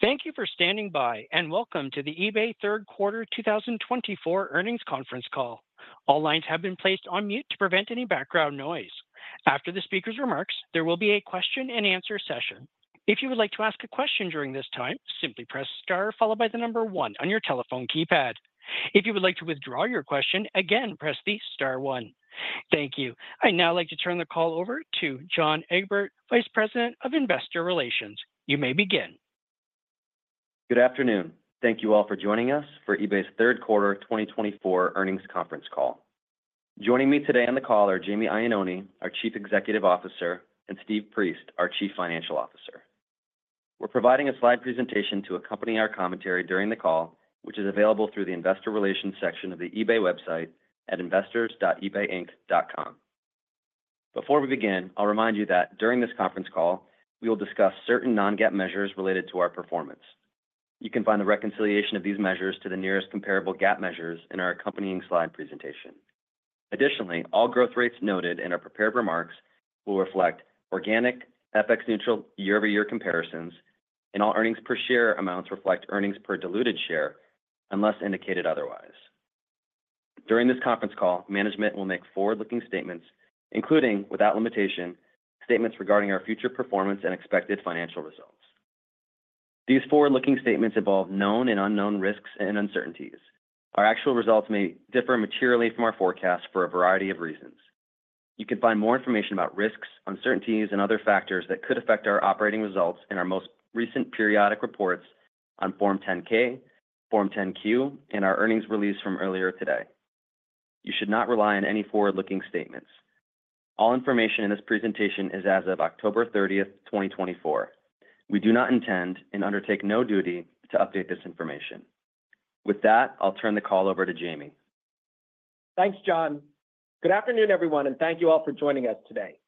Thank you for standing by, and welcome to the eBay third quarter 2024 earnings conference call. All lines have been placed on mute to prevent any background noise. After the speaker's remarks, there will be a question-and-answer session. If you would like to ask a question during this time, simply press star followed by the number one on your telephone keypad. If you would like to withdraw your question, again, press the star one. Thank you. I'd now like to turn the call over to John Egbert, Vice President of Investor Relations. You may begin. Good afternoon. Thank you all for joining us for eBay's third quarter 2024 earnings conference call. Joining me today on the call are Jamie Iannone, our Chief Executive Officer, and Steve Priest, our Chief Financial Officer. We're providing a slide presentation to accompany our commentary during the call, which is available through the Investor Relations section of the eBay website at investors.ebayinc.com. Before we begin, I'll remind you that during this conference call, we will discuss certain non-GAAP measures related to our performance. You can find the reconciliation of these measures to the nearest comparable GAAP measures in our accompanying slide presentation. Additionally, all growth rates noted in our prepared remarks will reflect organic, FX-neutral, year-over-year comparisons, and all earnings per share amounts reflect earnings per diluted share, unless indicated otherwise. During this conference call, management will make forward-looking statements, including, without limitation, statements regarding our future performance and expected financial results. These forward-looking statements involve known and unknown risks and uncertainties. Our actual results may differ materially from our forecast for a variety of reasons. You can find more information about risks, uncertainties, and other factors that could affect our operating results in our most recent periodic reports on Form 10-K, Form 10-Q, and our earnings release from earlier today. You should not rely on any forward-looking statements. All information in this presentation is as of October 30th, 2024. We do not intend and undertake no duty to update this information. With that, I'll turn the call over to Jamie. Thanks, John. Good afternoon, everyone, and thank you all for joining us today.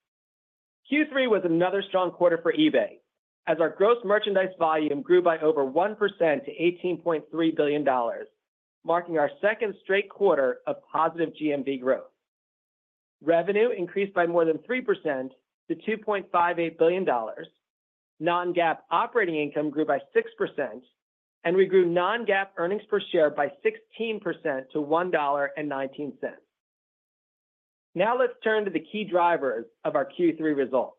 Q3 was another strong quarter for eBay, as our gross merchandise volume grew by over 1% to $18.3 billion, marking our second straight quarter of positive GMV growth. Revenue increased by more than 3% to $2.58 billion. Non-GAAP operating income grew by 6%, and we grew non-GAAP earnings per share by 16% to $1.19. Now let's turn to the key drivers of our Q3 results.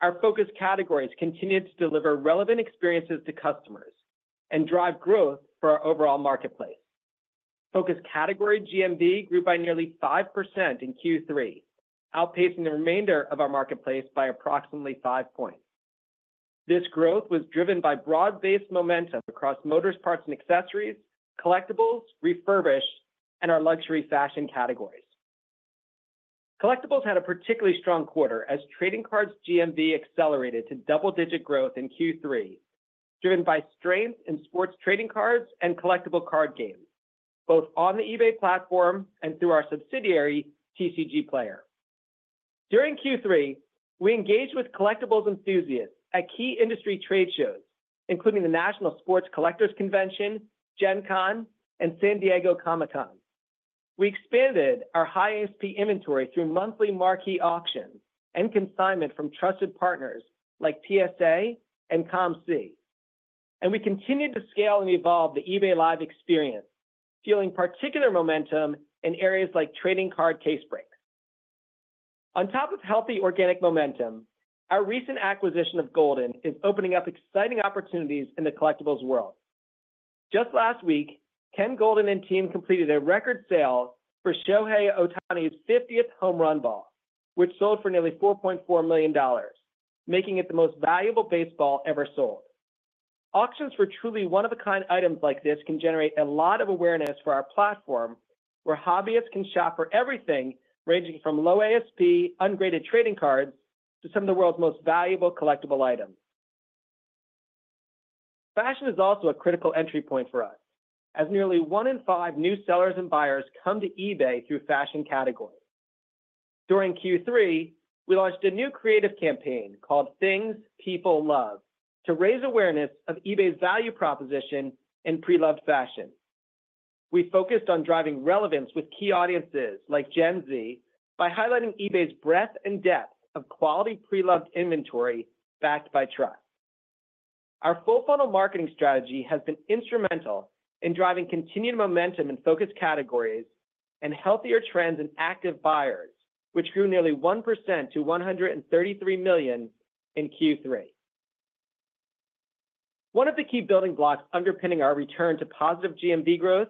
Our focus categories continued to deliver relevant experiences to customers and drive growth for our overall marketplace. Focus category GMV grew by nearly 5% in Q3, outpacing the remainder of our marketplace by approximately 5 points. This growth was driven by broad-based momentum across motors, parts, and accessories, collectibles, refurbished, and our luxury fashion categories. Collectibles had a particularly strong quarter, as trading cards GMV accelerated to double-digit growth in Q3, driven by strength in sports trading cards and collectible card games, both on the eBay platform and through our subsidiary, TCGplayer. During Q3, we engaged with collectibles enthusiasts at key industry trade shows, including the National Sports Collectors Convention, Gen Con, and San Diego Comic-Con. We expanded our high ASP inventory through monthly marquee auctions and consignment from trusted partners like PSA and COMC, and we continued to scale and evolve the eBay Live experience, fueling particular momentum in areas like trading card case breaks. On top of healthy organic momentum, our recent acquisition of Goldin is opening up exciting opportunities in the collectibles world. Just last week, Ken Goldin and team completed a record sale for Shohei Ohtani's 50th home run ball, which sold for nearly $4.4 million, making it the most valuable baseball ever sold. Auctions for truly one-of-a-kind items like this can generate a lot of awareness for our platform, where hobbyists can shop for everything ranging from low ASP, ungraded trading cards, to some of the world's most valuable collectible items. Fashion is also a critical entry point for us, as nearly one in five new sellers and buyers come to eBay through fashion categories. During Q3, we launched a new creative campaign called Things.People.Love to raise awareness of eBay's value proposition in pre-loved fashion. We focused on driving relevance with key audiences like Gen Z by highlighting eBay's breadth and depth of quality pre-loved inventory backed by trust. Our full-funnel marketing strategy has been instrumental in driving continued momentum in focus categories and healthier trends in active buyers, which grew nearly 1% to $133 million in Q3. One of the key building blocks underpinning our return to positive GMV growth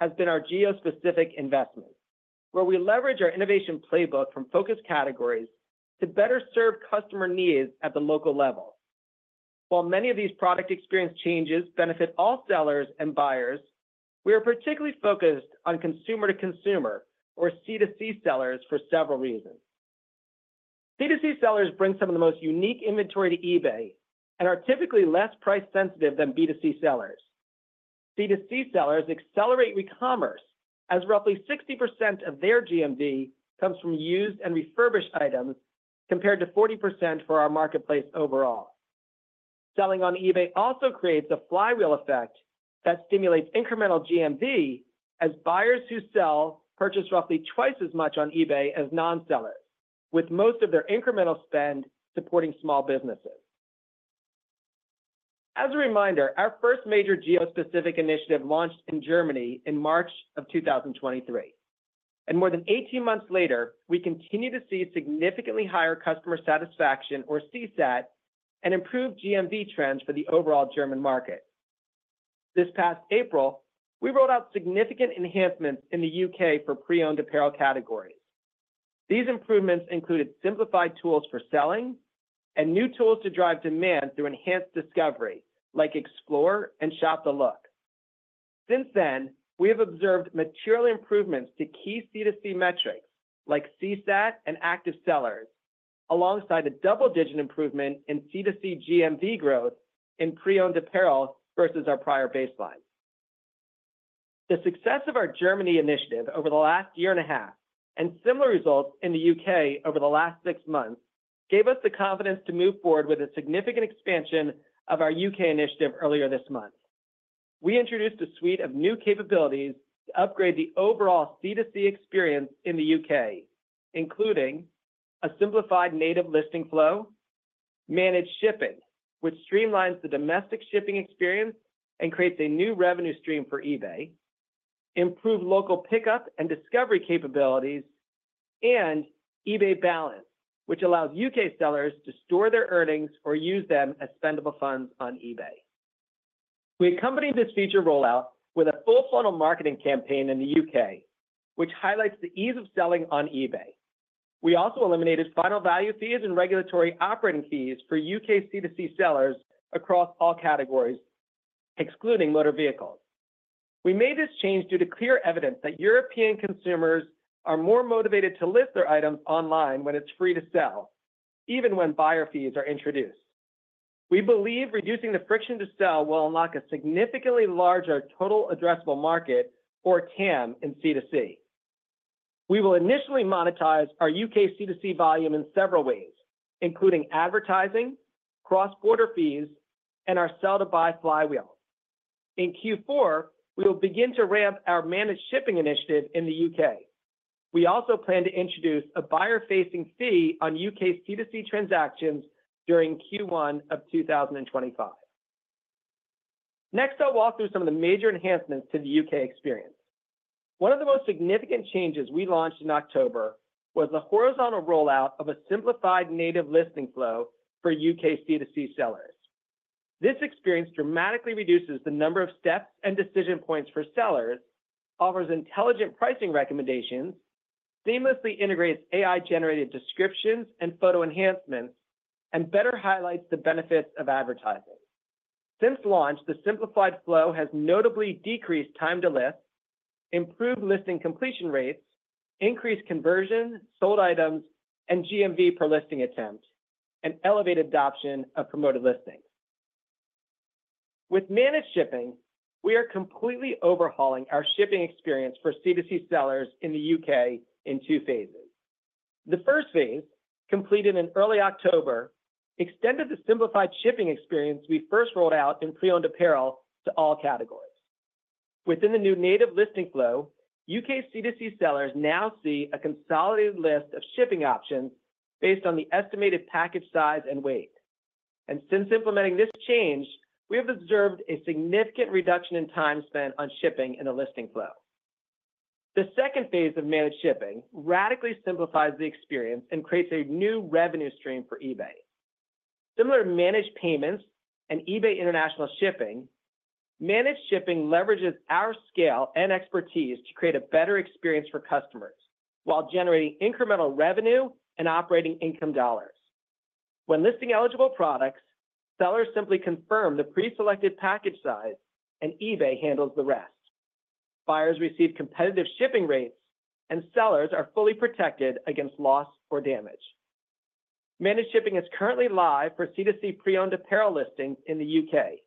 has been our geo-specific investments, where we leverage our innovation playbook from focus categories to better serve customer needs at the local level. While many of these product experience changes benefit all sellers and buyers, we are particularly focused on consumer-to-consumer or C2C sellers for several reasons. C2C sellers bring some of the most unique inventory to eBay and are typically less price-sensitive than B2C sellers. C2C sellers accelerate e-commerce, as roughly 60% of their GMV comes from used and refurbished items compared to 40% for our marketplace overall. Selling on eBay also creates a flywheel effect that stimulates incremental GMV, as buyers who sell purchase roughly twice as much on eBay as non-sellers, with most of their incremental spend supporting small businesses. As a reminder, our first major geo-specific initiative launched in Germany in March of 2023. More than 18 months later, we continue to see significantly higher customer satisfaction, or CSAT, and improved GMV trends for the overall German market. This past April, we rolled out significant enhancements in the U.K. for pre-owned apparel categories. These improvements included simplified tools for selling and new tools to drive demand through enhanced discovery, like Explore and Shop the look. Since then, we have observed material improvements to key C2C metrics like CSAT and active sellers, alongside a double-digit improvement in C2C GMV growth in pre-owned apparel versus our prior baselines. The success of our Germany initiative over the last year and a half and similar results in the U.K. over the last six months gave us the confidence to move forward with a significant expansion of our U.K. initiative earlier this month. We introduced a suite of new capabilities to upgrade the overall C2C experience in the U.K., including a simplified native listing flow, managed shipping, which streamlines the domestic shipping experience and creates a new revenue stream for eBay, improved local pickup and discovery capabilities, and eBay Balance, which allows U.K. sellers to store their earnings or use them as spendable funds on eBay. We accompanied this feature rollout with a full-funnel marketing campaign in the U.K., which highlights the ease of selling on eBay. We also eliminated final value fees and regulatory operating fees for U.K. C2C sellers across all categories, excluding motor vehicles. We made this change due to clear evidence that European consumers are more motivated to list their items online when it's free to sell, even when buyer fees are introduced. We believe reducing the friction to sell will unlock a significantly larger total addressable market, or TAM, in C2C. We will initially monetize our U.K. C2C volume in several ways, including advertising, cross-border fees, and our sell-to-buy flywheel. In Q4, we will begin to ramp our managed shipping initiative in the U.K.. We also plan to introduce a buyer-facing fee on U.K. C2C transactions during Q1 of 2025. Next, I'll walk through some of the major enhancements to the U.K. experience. One of the most significant changes we launched in October was the horizontal rollout of a simplified native listing flow for U.K. C2C sellers. This experience dramatically reduces the number of steps and decision points for sellers, offers intelligent pricing recommendations, seamlessly integrates AI-generated descriptions and photo enhancements, and better highlights the benefits of advertising. Since launch, the simplified flow has notably decreased time to list, improved listing completion rates, increased conversion, sold items, and GMV per listing attempt, and elevated adoption of Promoted Listings. With managed shipping, we are completely overhauling our shipping experience for C2C sellers in the U.K. in two phases. The first phase, completed in early October, extended the simplified shipping experience we first rolled out in pre-owned apparel to all categories. Within the new native listing flow, U.K. C2C sellers now see a consolidated list of shipping options based on the estimated package size and weight. And since implementing this change, we have observed a significant reduction in time spent on shipping in the listing flow. The second phase of managed shipping radically simplifies the experience and creates a new revenue stream for eBay. Similar to managed payments and eBay International Shipping, managed shipping leverages our scale and expertise to create a better experience for customers while generating incremental revenue and operating income dollars. When listing eligible products, sellers simply confirm the pre-selected package size, and eBay handles the rest. Buyers receive competitive shipping rates, and sellers are fully protected against loss or damage. Managed shipping is currently live for C2C pre-owned apparel listings in the U.K.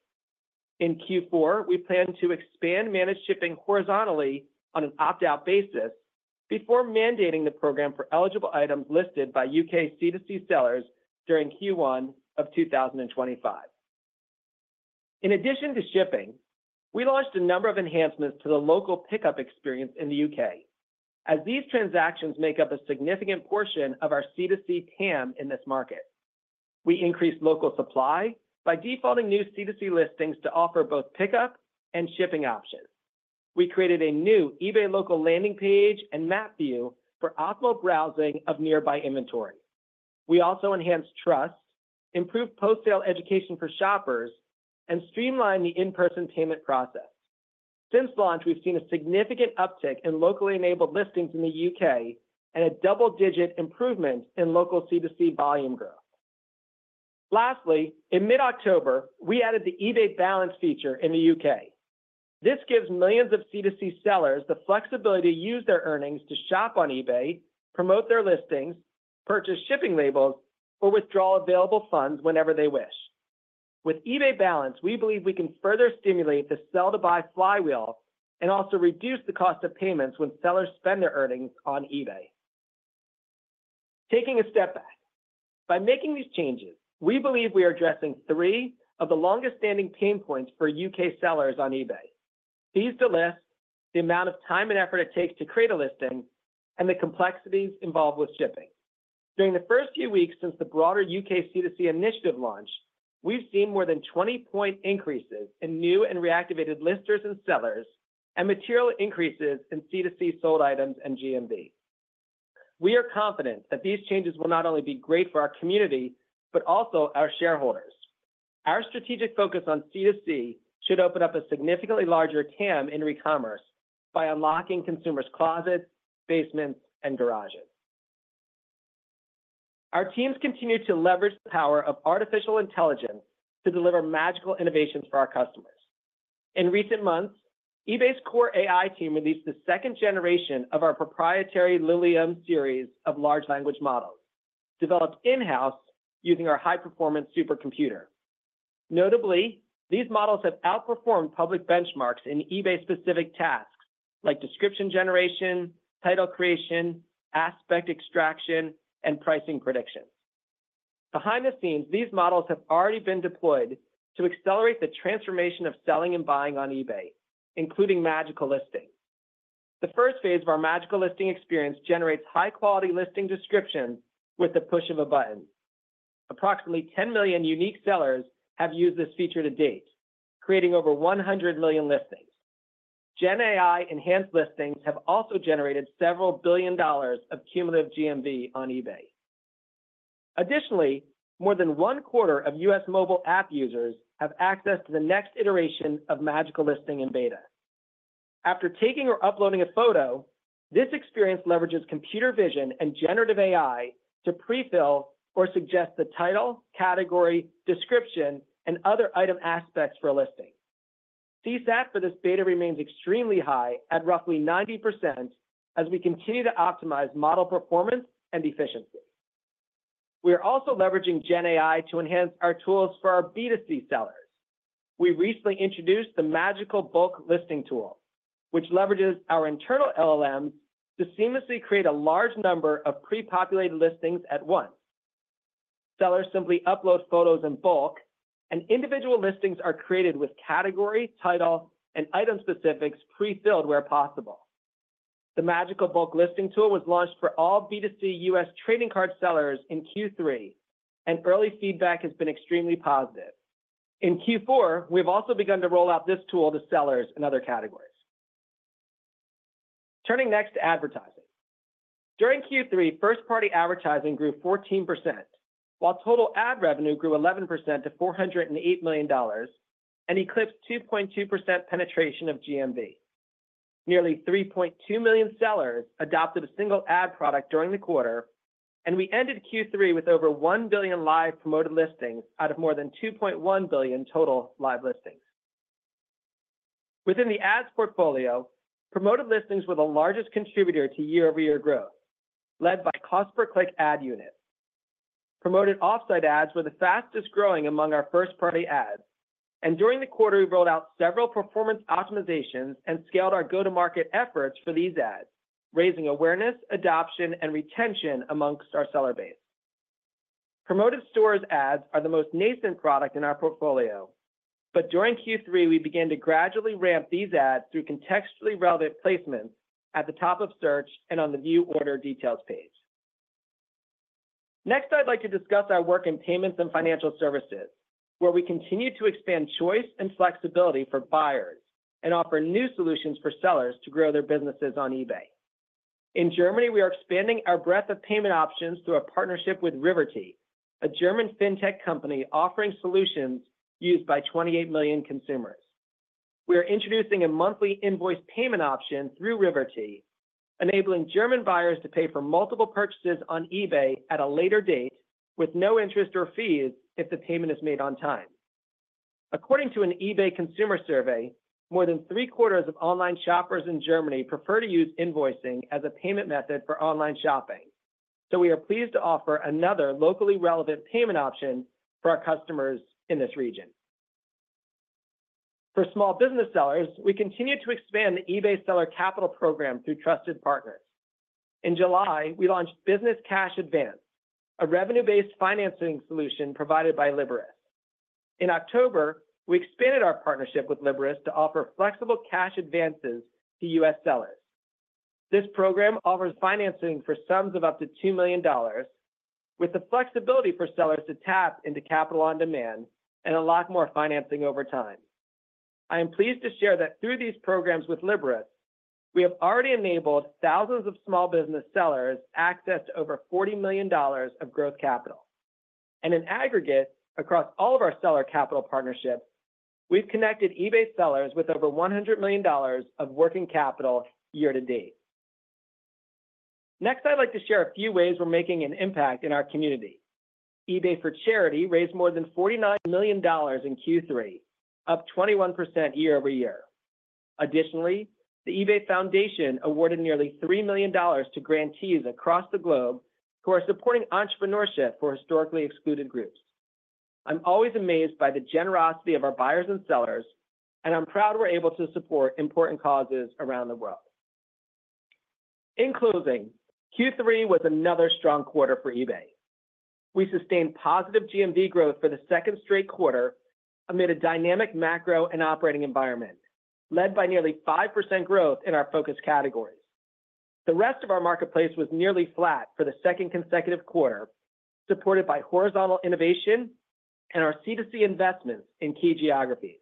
In Q4, we plan to expand managed shipping horizontally on an opt-out basis before mandating the program for eligible items listed by U.K. C2C sellers during Q1 of 2025. In addition to shipping, we launched a number of enhancements to the local pickup experience in the U.K., as these transactions make up a significant portion of our C2C TAM in this market. We increased local supply by defaulting new C2C listings to offer both pickup and shipping options. We created a new eBay Local Landing Page and Map View for optimal browsing of nearby inventory. We also enhanced trust, improved post-sale education for shoppers, and streamlined the in-person payment process. Since launch, we've seen a significant uptick in locally enabled listings in the U.K. and a double-digit improvement in local C2C volume growth. Lastly, in mid-October, we added the eBay Balance feature in the U.K.. This gives millions of C2C sellers the flexibility to use their earnings to shop on eBay, promote their listings, purchase shipping labels, or withdraw available funds whenever they wish. With eBay Balance, we believe we can further stimulate the sell-to-buy flywheel and also reduce the cost of payments when sellers spend their earnings on eBay. Taking a step back, by making these changes, we believe we are addressing three of the longest-standing pain points for U.K. sellers on eBay. These address the amount of time and effort it takes to create a listing and the complexities involved with shipping. During the first few weeks since the broader U.K. C2C initiative launch, we've seen more than 20-point increases in new and reactivated listers and sellers and material increases in C2C sold items and GMV. We are confident that these changes will not only be great for our community, but also our shareholders. Our strategic focus on C2C should open up a significantly larger TAM in re-commerce by unlocking consumers' closets, basements, and garages. Our teams continue to leverage the power of artificial intelligence to deliver magical innovations for our customers. In recent months, eBay's core AI team released the second generation of our proprietary LiLiuM series of large language models, developed in-house using our high-performance supercomputer. Notably, these models have outperformed public benchmarks in eBay-specific tasks like description generation, title creation, aspect extraction, and pricing predictions. Behind the scenes, these models have already been deployed to accelerate the transformation of selling and buying on eBay, including magical listings. The first phase of our magical listing experience generates high-quality listing descriptions with the push of a button. Approximately 10 million unique sellers have used this feature to date, creating over 100 million listings. Gen AI enhanced listings have also generated several billion dollars of cumulative GMV on eBay. Additionally, more than one quarter of US mobile app users have access to the next iteration of Magical Listing in beta. After taking or uploading a photo, this experience leverages computer vision and generative AI to prefill or suggest the title, category, description, and other item aspects for a listing. CSAT for this beta remains extremely high at roughly 90% as we continue to optimize model performance and efficiency. We are also leveraging Gen AI to enhance our tools for our B2C sellers. We recently introduced the Magical Bulk Listing tool, which leverages our internal LLMs to seamlessly create a large number of pre-populated listings at once. Sellers simply upload photos in bulk, and individual listings are created with category, title, and item specifics prefilled where possible. The Magical Bulk Listing tool was launched for all B2C US trading card sellers in Q3, and early feedback has been extremely positive. In Q4, we have also begun to roll out this tool to sellers in other categories. Turning next to advertising. During Q3, first-party advertising grew 14%, while total ad revenue grew 11% to $408 million and eclipsed 2.2% penetration of GMV. Nearly 3.2 million sellers adopted a single ad product during the quarter, and we ended Q3 with over 1 billion live promoted listings out of more than 2.1 billion total live listings. Within the ads portfolio, promoted listings were the largest contributor to year-over-year growth, led by cost per click ad units. Promoted Offsite ads were the fastest growing among our first-party ads, and during the quarter, we rolled out several performance optimizations and scaled our go-to-market efforts for these ads, raising awareness, adoption, and retention amongst our seller base. Promoted Stores ads are the most nascent product in our portfolio, but during Q3, we began to gradually ramp these ads through contextually relevant placements at the top of search and on the view order details page. Next, I'd like to discuss our work in payments and financial services, where we continue to expand choice and flexibility for buyers and offer new solutions for sellers to grow their businesses on eBay. In Germany, we are expanding our breadth of payment options through a partnership with Riverty, a German fintech company offering solutions used by 28 million consumers. We are introducing a monthly invoice payment option through Riverty, enabling German buyers to pay for multiple purchases on eBay at a later date with no interest or fees if the payment is made on time. According to an eBay consumer survey, more than three-quarters of online shoppers in Germany prefer to use invoicing as a payment method for online shopping. So we are pleased to offer another locally relevant payment option for our customers in this region. For small business sellers, we continue to expand the eBay Seller Capital program through trusted partners. In July, we launched Business Cash Advance, a revenue-based financing solution provided by Liberis. In October, we expanded our partnership with Liberis to offer flexible cash advances to U.S. sellers. This program offers financing for sums of up to $2 million, with the flexibility for sellers to tap into capital on demand and unlock more financing over time. I am pleased to share that through these programs with Liberis, we have already enabled thousands of small business sellers access to over $40 million of growth capital. In aggregate, across all of our seller capital partnerships, we've connected eBay sellers with over $100 million of working capital year to date. Next, I'd like to share a few ways we're making an impact in our community. eBay for Charity raised more than $49 million in Q3, up 21% year over year. Additionally, the eBay Foundation awarded nearly $3 million to grantees across the globe who are supporting entrepreneurship for historically excluded groups. I'm always amazed by the generosity of our buyers and sellers, and I'm proud we're able to support important causes around the world. In closing, Q3 was another strong quarter for eBay. We sustained positive GMV growth for the second straight quarter amid a dynamic macro and operating environment, led by nearly 5% growth in our focus categories. The rest of our marketplace was nearly flat for the second consecutive quarter, supported by horizontal innovation and our C2C investments in key geographies.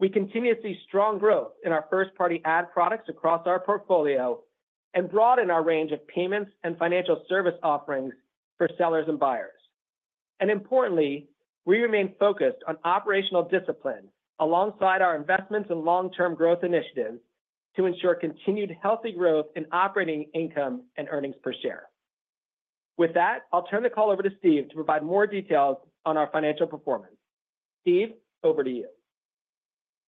We continue to see strong growth in our first-party ad products across our portfolio and broaden our range of payments and financial service offerings for sellers and buyers. Importantly, we remain focused on operational discipline alongside our investments and long-term growth initiatives to ensure continued healthy growth in operating income and earnings per share. With that, I'll turn the call over to Steve to provide more details on our financial performance. Steve, over to you.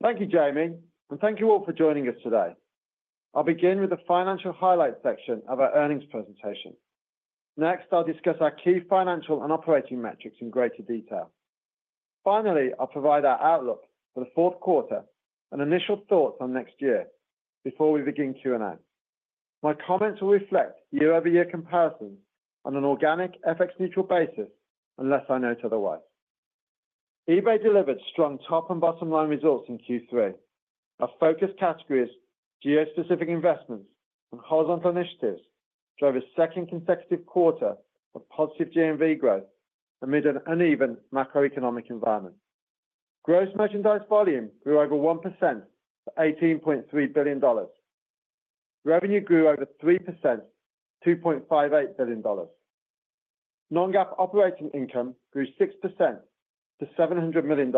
Thank you, Jamie, and thank you all for joining us today. I'll begin with the financial highlight section of our earnings presentation. Next, I'll discuss our key financial and operating metrics in greater detail. Finally, I'll provide our outlook for the fourth quarter and initial thoughts on next year before we begin Q&A. My comments will reflect year-over-year comparisons on an organic FX-neutral basis unless I note otherwise. eBay delivered strong top and bottom-line results in Q3. Our focus categories, geo-specific investments and horizontal initiatives, drove a second consecutive quarter of positive GMV growth amid an uneven macroeconomic environment. Gross merchandise volume grew over 1% to $18.3 billion. Revenue grew over 3% to $2.58 billion. Non-GAAP operating income grew 6% to $700 million.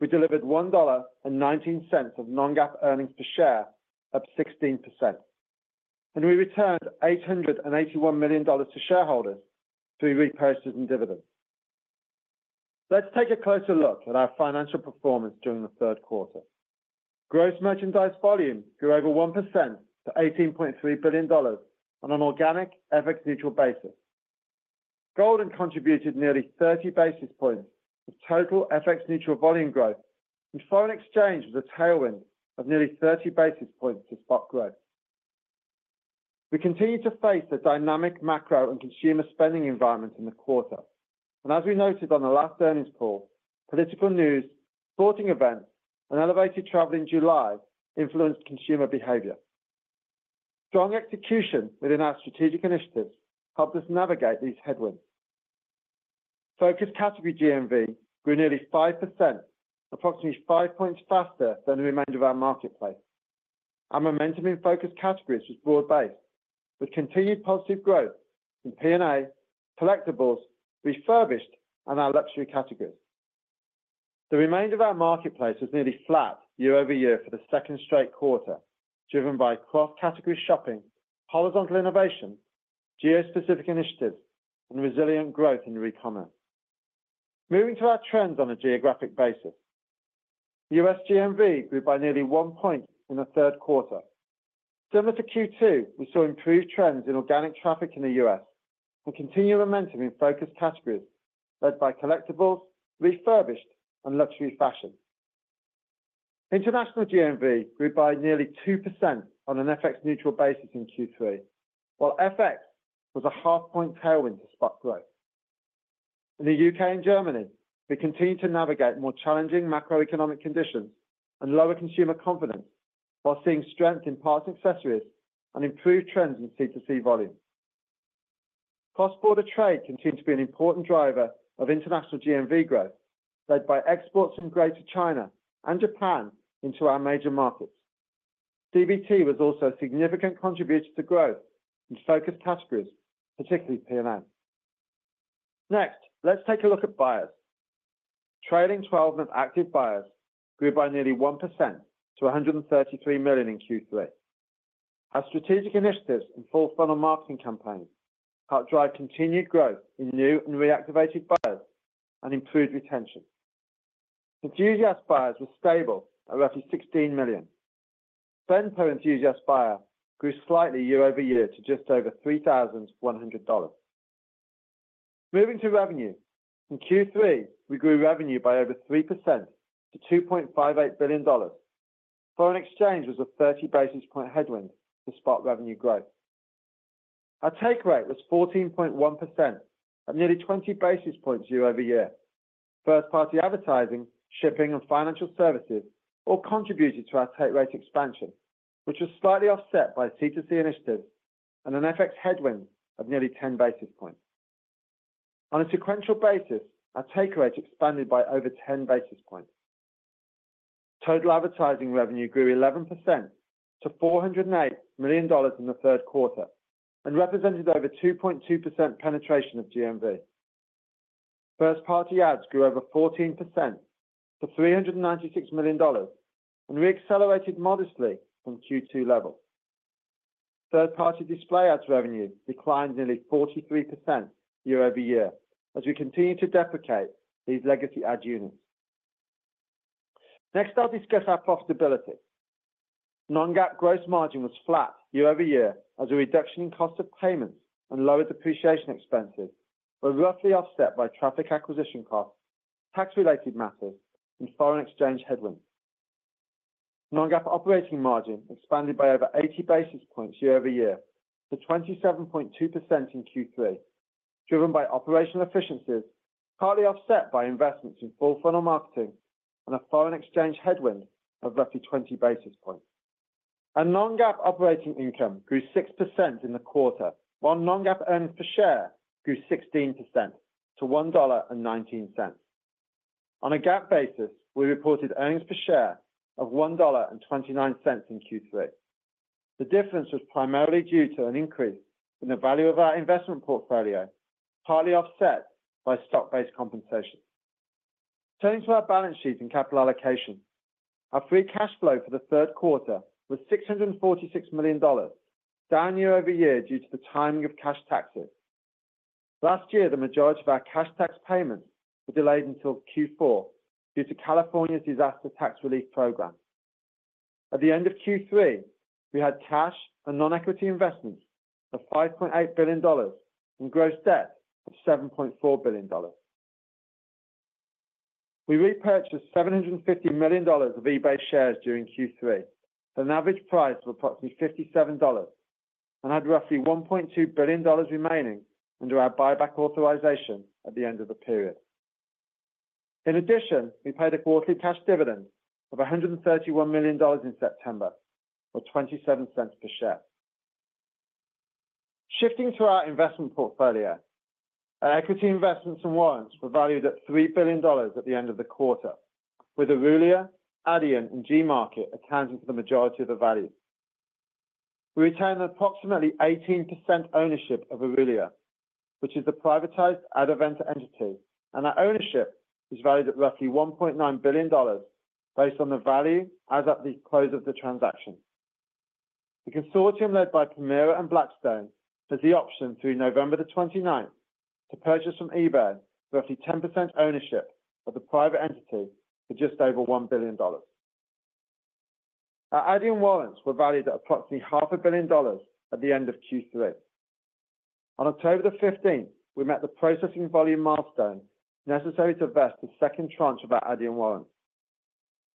We delivered $1.19 of non-GAAP earnings per share, up 16%, and we returned $881 million to shareholders through repurchases and dividends. Let's take a closer look at our financial performance during the third quarter. Gross merchandise volume grew over 1% to $18.3 billion on an organic FX-neutral basis. Goldin had contributed nearly 30 basis points of total FX-neutral volume growth, and foreign exchange was a tailwind of nearly 30 basis points to spot growth. We continue to face a dynamic macro and consumer spending environment in the quarter. And as we noted on the last earnings call, political news, sporting events, and elevated travel in July influenced consumer behavior. Strong execution within our strategic initiatives helped us navigate these headwinds. Focus category GMV grew nearly 5%, approximately 5 points faster than the remainder of our marketplace. Our momentum in focus categories was broad-based, with continued positive growth in P&A, collectibles, refurbished, and our luxury categories. The remainder of our marketplace was nearly flat year-over-year for the second straight quarter, driven by cross-category shopping, horizontal innovation, geo-specific initiatives, and resilient growth in re-commerce. Moving to our trends on a geographic basis, U.S. GMV grew by nearly 1 point in the third quarter. Similar to Q2, we saw improved trends in organic traffic in the U.S. and continued momentum in focus categories led by collectibles, refurbished, and luxury fashion. International GMV grew by nearly 2% on an FX-neutral basis in Q3, while FX was a half-point tailwind to spot growth. In the U.K. and Germany, we continue to navigate more challenging macroeconomic conditions and lower consumer confidence while seeing strength in Parts & Accessories and improved trends in C2C volume. Cross-border trade continues to be an important driver of international GMV growth, led by exports from Greater China and Japan into our major markets. CBT was also a significant contributor to growth in focus categories, particularly P&A. Next, let's take a look at buyers. Trailing 12 of active buyers grew by nearly 1% to 133 million in Q3. Our strategic initiatives and full-funnel marketing campaigns helped drive continued growth in new and reactivated buyers and improved retention. Enthusiast buyers were stable at roughly 16 million. B2C enthusiast buyer grew slightly year over year to just over 31 million. Moving to revenue, in Q3, we grew revenue by over 3% to $2.58 billion. Foreign exchange was a 30 basis point headwind to spot revenue growth. Our take rate was 14.1% up nearly 20 basis points year over year. First-party advertising, shipping, and financial services all contributed to our take rate expansion, which was slightly offset by C2C initiatives and an FX headwind of nearly 10 basis points. On a sequential basis, our take rate expanded by over 10 basis points. Total advertising revenue grew 11% to $408 million in the third quarter and represented over 2.2% penetration of GMV. First-party ads grew over 14% to $396 million and reaccelerated modestly from Q2 levels. Third-party display ads revenue declined nearly 43% year over year as we continue to deprecate these legacy ad units. Next, I'll discuss our profitability. Non-GAAP gross margin was flat year over year as a reduction in cost of payments and lower depreciation expenses were roughly offset by traffic acquisition costs, tax-related matters, and foreign exchange headwinds. Non-GAAP operating margin expanded by over 80 basis points year over year to 27.2% in Q3, driven by operational efficiencies partly offset by investments in full-funnel marketing and a foreign exchange headwind of roughly 20 basis points. Non-GAAP operating income grew 6% in the quarter, while non-GAAP earnings per share grew 16% to $1.19. On a GAAP basis, we reported earnings per share of $1.29 in Q3. The difference was primarily due to an increase in the value of our investment portfolio, partly offset by stock-based compensation. Turning to our balance sheet and capital allocation, our free cash flow for the third quarter was $646 million, down year over year due to the timing of cash taxes. Last year, the majority of our cash tax payments were delayed until Q4 due to California's disaster tax relief program. At the end of Q3, we had cash and non-equity investments of $5.8 billion and gross debt of $7.4 billion. We repurchased $750 million of eBay shares during Q3 at an average price of approximately $57 and had roughly $1.2 billion remaining under our buyback authorization at the end of the period. In addition, we paid a quarterly cash dividend of $131 million in September, or $0.27 per share. Shifting to our investment portfolio, our equity investments and warrants were valued at $3 billion at the end of the quarter, with Aurelia, Adyen, and Gmarket accounting for the majority of the value. We retain approximately 18% ownership of Aurelia, which is a privatized Adevinta entity, and our ownership is valued at roughly $1.9 billion based on the value as at the close of the transaction. The consortium led by Permira and Blackstone has the option through November 29th to purchase from eBay roughly 10% ownership of the private entity for just over $1 billion. Our Adyen warrants were valued at approximately $500 million at the end of Q3. On October 15th, we met the processing volume milestone necessary to vest the second tranche of our Adyen warrants.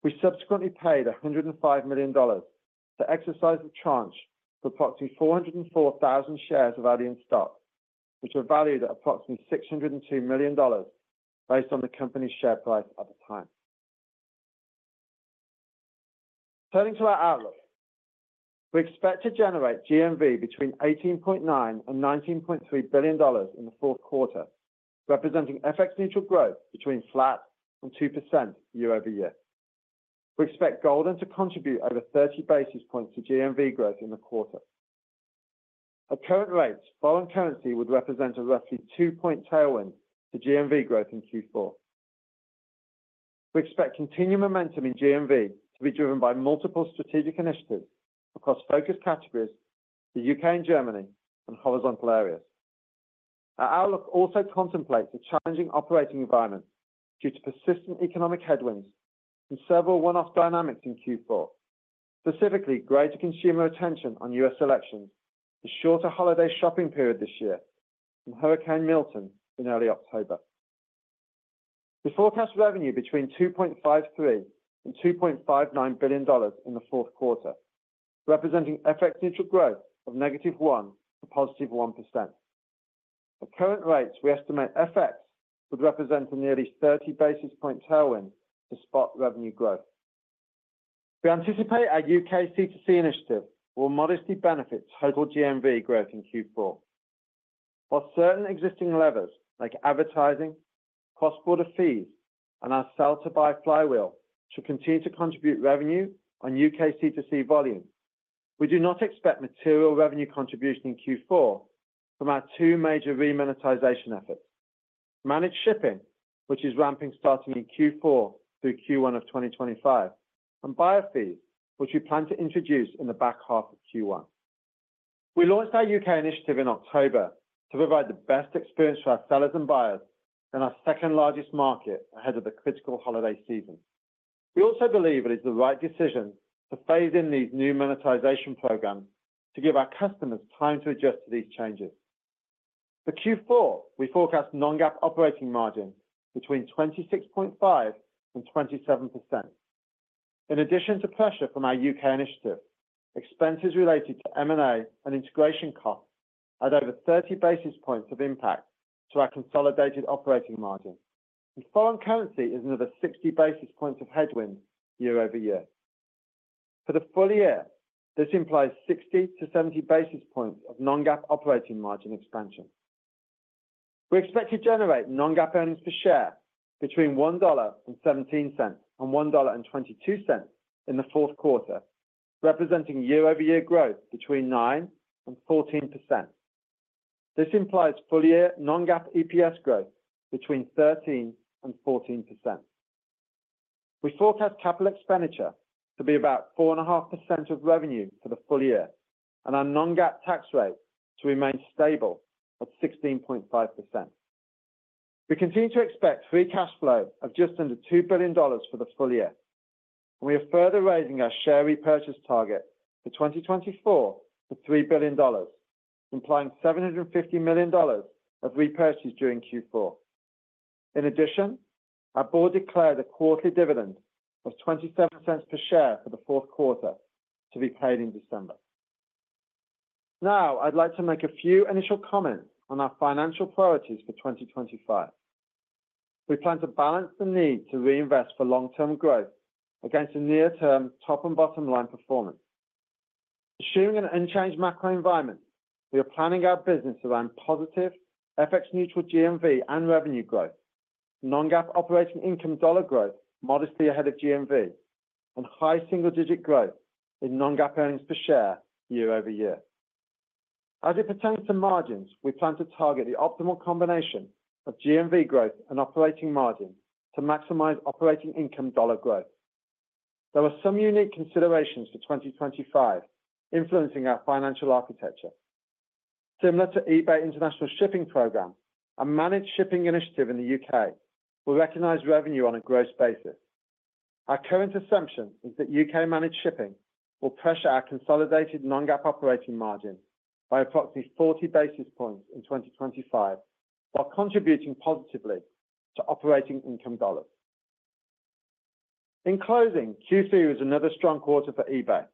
We subsequently paid $105 million to exercise the tranche for approximately 404,000 shares of Adyen stock, which were valued at approximately $602 million based on the company's share price at the time. Turning to our outlook, we expect to generate GMV between $18.9-$19.3 billion in the fourth quarter, representing FX-neutral growth between flat and 2% year over year. We expect Goldin to contribute over 30 basis points to GMV growth in the quarter. At current rates, foreign currency would represent a roughly 2-point tailwind to GMV growth in Q4. We expect continued momentum in GMV to be driven by multiple strategic initiatives across focus categories in the U.K. and Germany and horizontal areas. Our outlook also contemplates a challenging operating environment due to persistent economic headwinds and several one-off dynamics in Q4, specifically greater consumer attention on U.S. elections and a shorter holiday shopping period this year and Hurricane Milton in early October. We forecast revenue between $2.53 and $2.59 billion in the fourth quarter, representing FX-neutral growth of -1% to +1%. At current rates, we estimate FX would represent a nearly 30 basis point tailwind to spot revenue growth. We anticipate our U.K. C2C initiative will modestly benefit total GMV growth in Q4. While certain existing levers like advertising, cross-border fees, and our sell-to-buy flywheel should continue to contribute revenue on U.K. C2C volume, we do not expect material revenue contribution in Q4 from our two major re-monetization efforts: managed shipping, which is ramping starting in Q4 through Q1 of 2025, and buyer fees, which we plan to introduce in the back half of Q1. We launched our U.K. initiative in October to provide the best experience for our sellers and buyers in our second-largest market ahead of the critical holiday season. We also believe it is the right decision to phase in these new monetization programs to give our customers time to adjust to these changes. For Q4, we forecast non-GAAP operating margins between 26.5% and 27%. In addition to pressure from our U.K. initiative, expenses related to M&A and integration costs add over 30 basis points of impact to our consolidated operating margin. Foreign currency is another 60 basis points of headwind year over year. For the full year, this implies 60 to 70 basis points of non-GAAP operating margin expansion. We expect to generate non-GAAP earnings per share between $1.17 and $1.22 in the fourth quarter, representing year-over-year growth between 9% and 14%. This implies full-year non-GAAP EPS growth between 13% and 14%. We forecast capital expenditure to be about 4.5% of revenue for the full year and our non-GAAP tax rate to remain stable at 16.5%. We continue to expect free cash flow of just under $2 billion for the full year, and we are further raising our share repurchase target for 2024 to $3 billion, implying $750 million of repurchase during Q4. In addition, our board declared a quarterly dividend of $0.27 per share for the fourth quarter to be paid in December. Now, I'd like to make a few initial comments on our financial priorities for 2025. We plan to balance the need to reinvest for long-term growth against the near-term top and bottom line performance. Assuming an unchanged macro environment, we are planning our business around positive FX-neutral GMV and revenue growth, non-GAAP operating income dollar growth modestly ahead of GMV, and high single-digit growth in non-GAAP earnings per share year over year. As it pertains to margins, we plan to target the optimal combination of GMV growth and operating margin to maximize operating income dollar growth. There are some unique considerations for 2025 influencing our financial architecture. Similar to eBay International Shipping Program, our managed shipping initiative in the U.K. will recognize revenue on a gross basis. Our current assumption is that U.K. managed shipping will pressure our consolidated non-GAAP operating margin by approximately 40 basis points in 2025, while contributing positively to operating income dollars. In closing, Q3 was another strong quarter for eBay.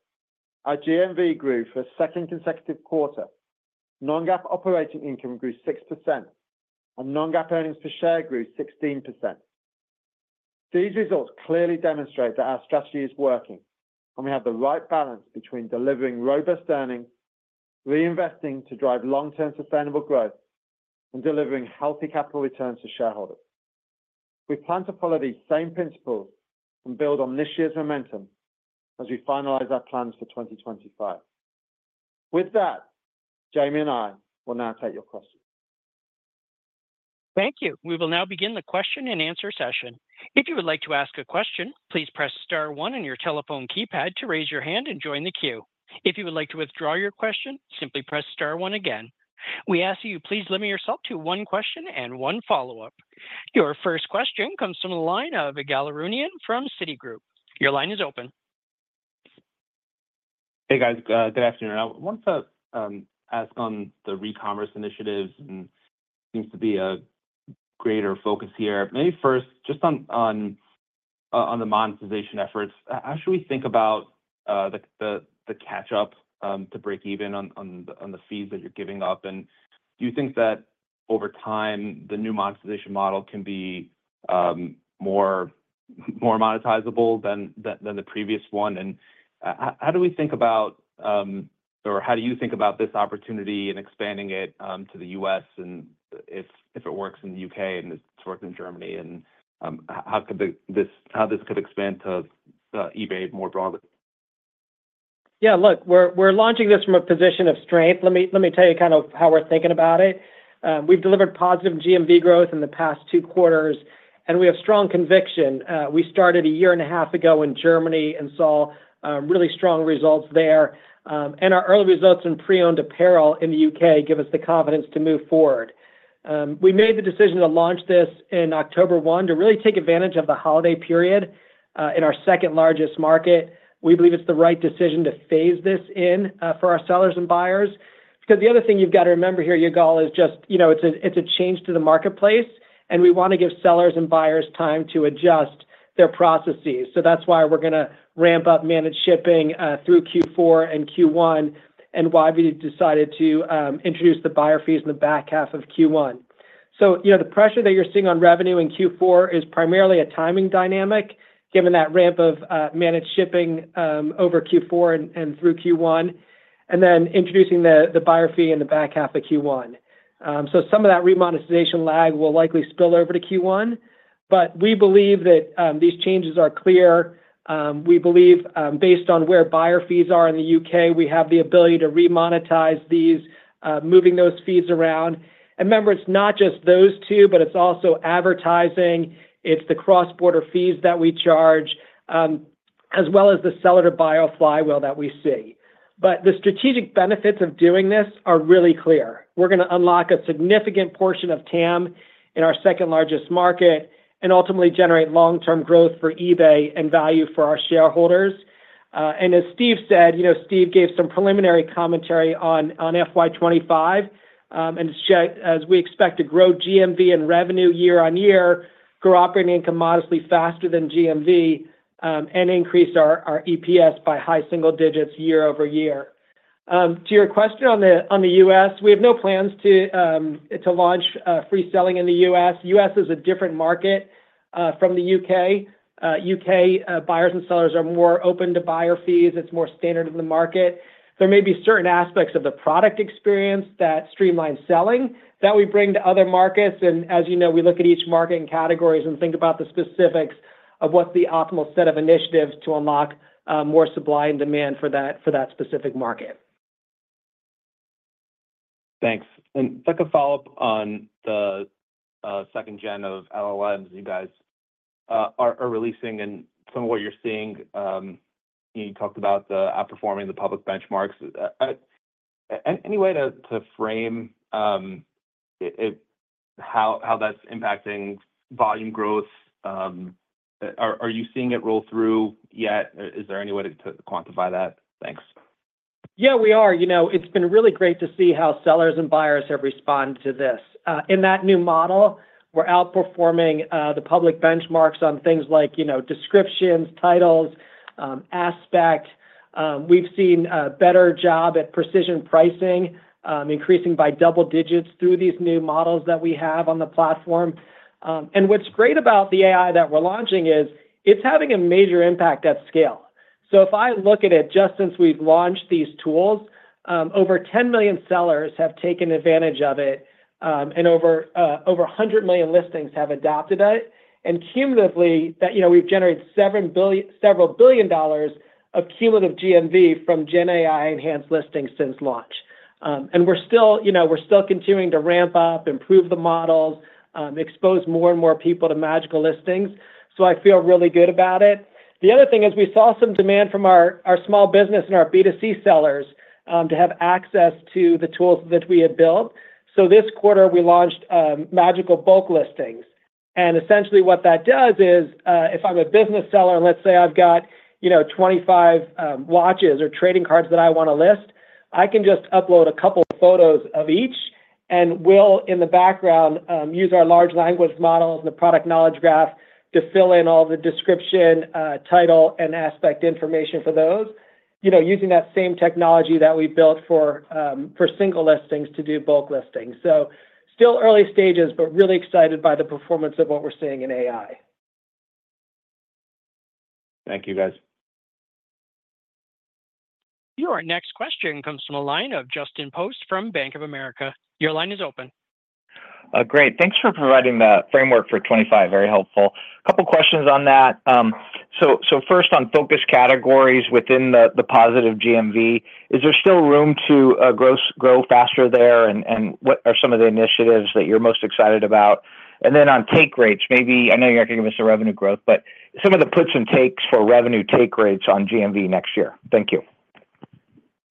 Our GMV grew for a second consecutive quarter. Non-GAAP operating income grew 6%, and non-GAAP earnings per share grew 16%. These results clearly demonstrate that our strategy is working, and we have the right balance between delivering robust earnings, reinvesting to drive long-term sustainable growth, and delivering healthy capital returns to shareholders. We plan to follow these same principles and build on this year's momentum as we finalize our plans for 2025. With that, Jamie and I will now take your questions. Thank you. We will now begin the question and answer session. If you would like to ask a question, please press star one on your telephone keypad to raise your hand and join the queue. If you would like to withdraw your question, simply press star one again. We ask that you please limit yourself to one question and one follow-up. Your first question comes from the line of Ygal Arounian from Citigroup. Your line is open. Hey, guys. Good afternoon. I wanted to ask on the re-commerce initiatives, and it seems to be a greater focus here. Maybe first, just on the monetization efforts, how should we think about the catch-up to break even on the fees that you're giving up? And do you think that over time, the new monetization model can be more monetizable than the previous one? How do we think about, or how do you think about this opportunity and expanding it to the U.S., and if it works in the U.K. and it's worked in Germany, and how this could expand to eBay more broadly? Yeah, look, we're launching this from a position of strength. Let me tell you kind of how we're thinking about it. We've delivered positive GMV growth in the past two quarters, and we have strong conviction. We started a year and a half ago in Germany and saw really strong results there. Our early results in pre-owned apparel in the U.K. give us the confidence to move forward. We made the decision to launch this in October 1 to really take advantage of the holiday period in our second-largest market. We believe it's the right decision to phase this in for our sellers and buyers. Because the other thing you've got to remember here, Ygal, is just it's a change to the marketplace, and we want to give sellers and buyers time to adjust their processes. So that's why we're going to ramp up Managed Shipping through Q4 and Q1, and why we decided to introduce the buyer fees in the back half of Q1. So the pressure that you're seeing on revenue in Q4 is primarily a timing dynamic, given that ramp of Managed Shipping over Q4 and through Q1, and then introducing the buyer fee in the back half of Q1. So some of that remonetization lag will likely spill over to Q1, but we believe that these changes are clear. We believe based on where buyer fees are in the U.K., we have the ability to remonetize these, moving those fees around. And remember, it's not just those two, but it's also advertising. It's the cross-border fees that we charge, as well as the seller-to-buy flywheel that we see. But the strategic benefits of doing this are really clear. We're going to unlock a significant portion of TAM in our second-largest market and ultimately generate long-term growth for eBay and value for our shareholders. And as Steve said, Steve gave some preliminary commentary on FY25, and as we expect to grow GMV and revenue year on year, grow operating income modestly faster than GMV, and increase our EPS by high single digits year over year. To your question on the U.S., we have no plans to launch free selling in the U.S. The U.S. is a different market from the U.K. U.K. buyers and sellers are more open to buyer fees. It's more standard in the market. There may be certain aspects of the product experience that streamline selling that we bring to other markets. And as you know, we look at each market and categories and think about the specifics of what's the optimal set of initiatives to unlock more supply and demand for that specific market. Thanks. And second follow-up on the second gen of LLMs you guys are releasing and some of what you're seeing. You talked about outperforming the public benchmarks. Any way to frame how that's impacting volume growth? Are you seeing it roll through yet? Is there any way to quantify that? Thanks. Yeah, we are. It's been really great to see how sellers and buyers have responded to this. In that new model, we're outperforming the public benchmarks on things like descriptions, titles, aspect. We've seen a better job at precision pricing, increasing by double digits through these new models that we have on the platform. And what's great about the AI that we're launching is it's having a major impact at scale. So if I look at it just since we've launched these tools, over 10 million sellers have taken advantage of it, and over 100 million listings have adopted it. And cumulatively, we've generated several billion dollars of cumulative GMV from GenAI-enhanced listings since launch. And we're still continuing to ramp up, improve the models, expose more and more people to Magical listings. So I feel really good about it. The other thing is we saw some demand from our small business and our B2C sellers to have access to the tools that we had built. So this quarter, we launched Magical bulk listings. Essentially, what that does is if I'm a business seller and let's say I've got 25 watches or trading cards that I want to list, I can just upload a couple of photos of each and we will, in the background, use our large language models and the product knowledge graph to fill in all the description, title, and aspect information for those, using that same technology that we built for single listings to do bulk listings. So still early stages, but really excited by the performance of what we're seeing in AI. Thank you, guys. Your next question comes from a line of Justin Post from Bank of America. Your line is open. Great. Thanks for providing the framework for 25. Very helpful. A couple of questions on that. So first, on focus categories within the positive GMV, is there still room to grow faster there, and what are some of the initiatives that you're most excited about? And then on take rates, maybe I know you're not going to give us the revenue growth, but some of the puts and takes for revenue take rates on GMV next year. Thank you.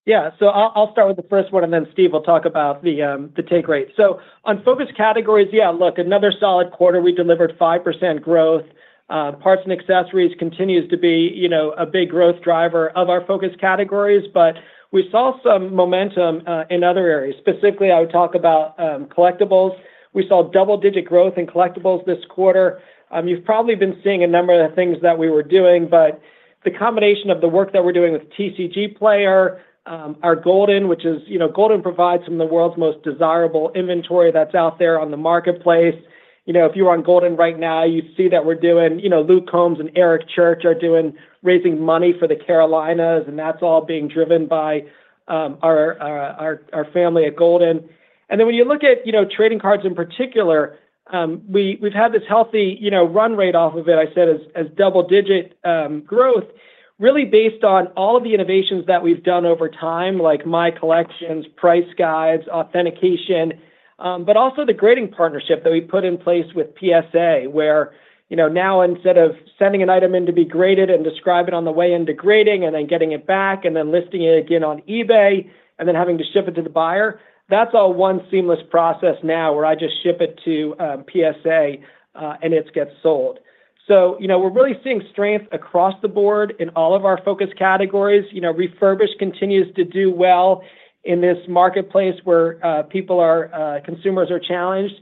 Yeah. So I'll start with the first one, and then Steve will talk about the take rate. So on focus categories, yeah, look, another solid quarter, we delivered 5% growth. Parts and Accessories continues to be a big growth driver of our focus categories, but we saw some momentum in other areas. Specifically, I would talk about collectibles. We saw double-digit growth in collectibles this quarter. You've probably been seeing a number of the things that we were doing, but the combination of the work that we're doing with TCGplayer, our Goldin, which is Goldin provides some of the world's most desirable inventory that's out there on the marketplace. If you're on Goldin right now, you see that we're doing Luke Combs and Eric Church are raising money for the Carolinas, and that's all being driven by our family at Goldin. And then when you look at trading cards in particular, we've had this healthy run rate off of it, I said, as double-digit growth, really based on all of the innovations that we've done over time, like my collections, price guides, authentication, but also the grading partnership that we put in place with PSA, where now instead of sending an item in to be graded and describe it on the way into grading, and then getting it back, and then listing it again on eBay, and then having to ship it to the buyer, that's all one seamless process now where I just ship it to PSA and it gets sold. So we're really seeing strength across the board in all of our focus categories. Refurbished continues to do well in this marketplace where consumers are challenged.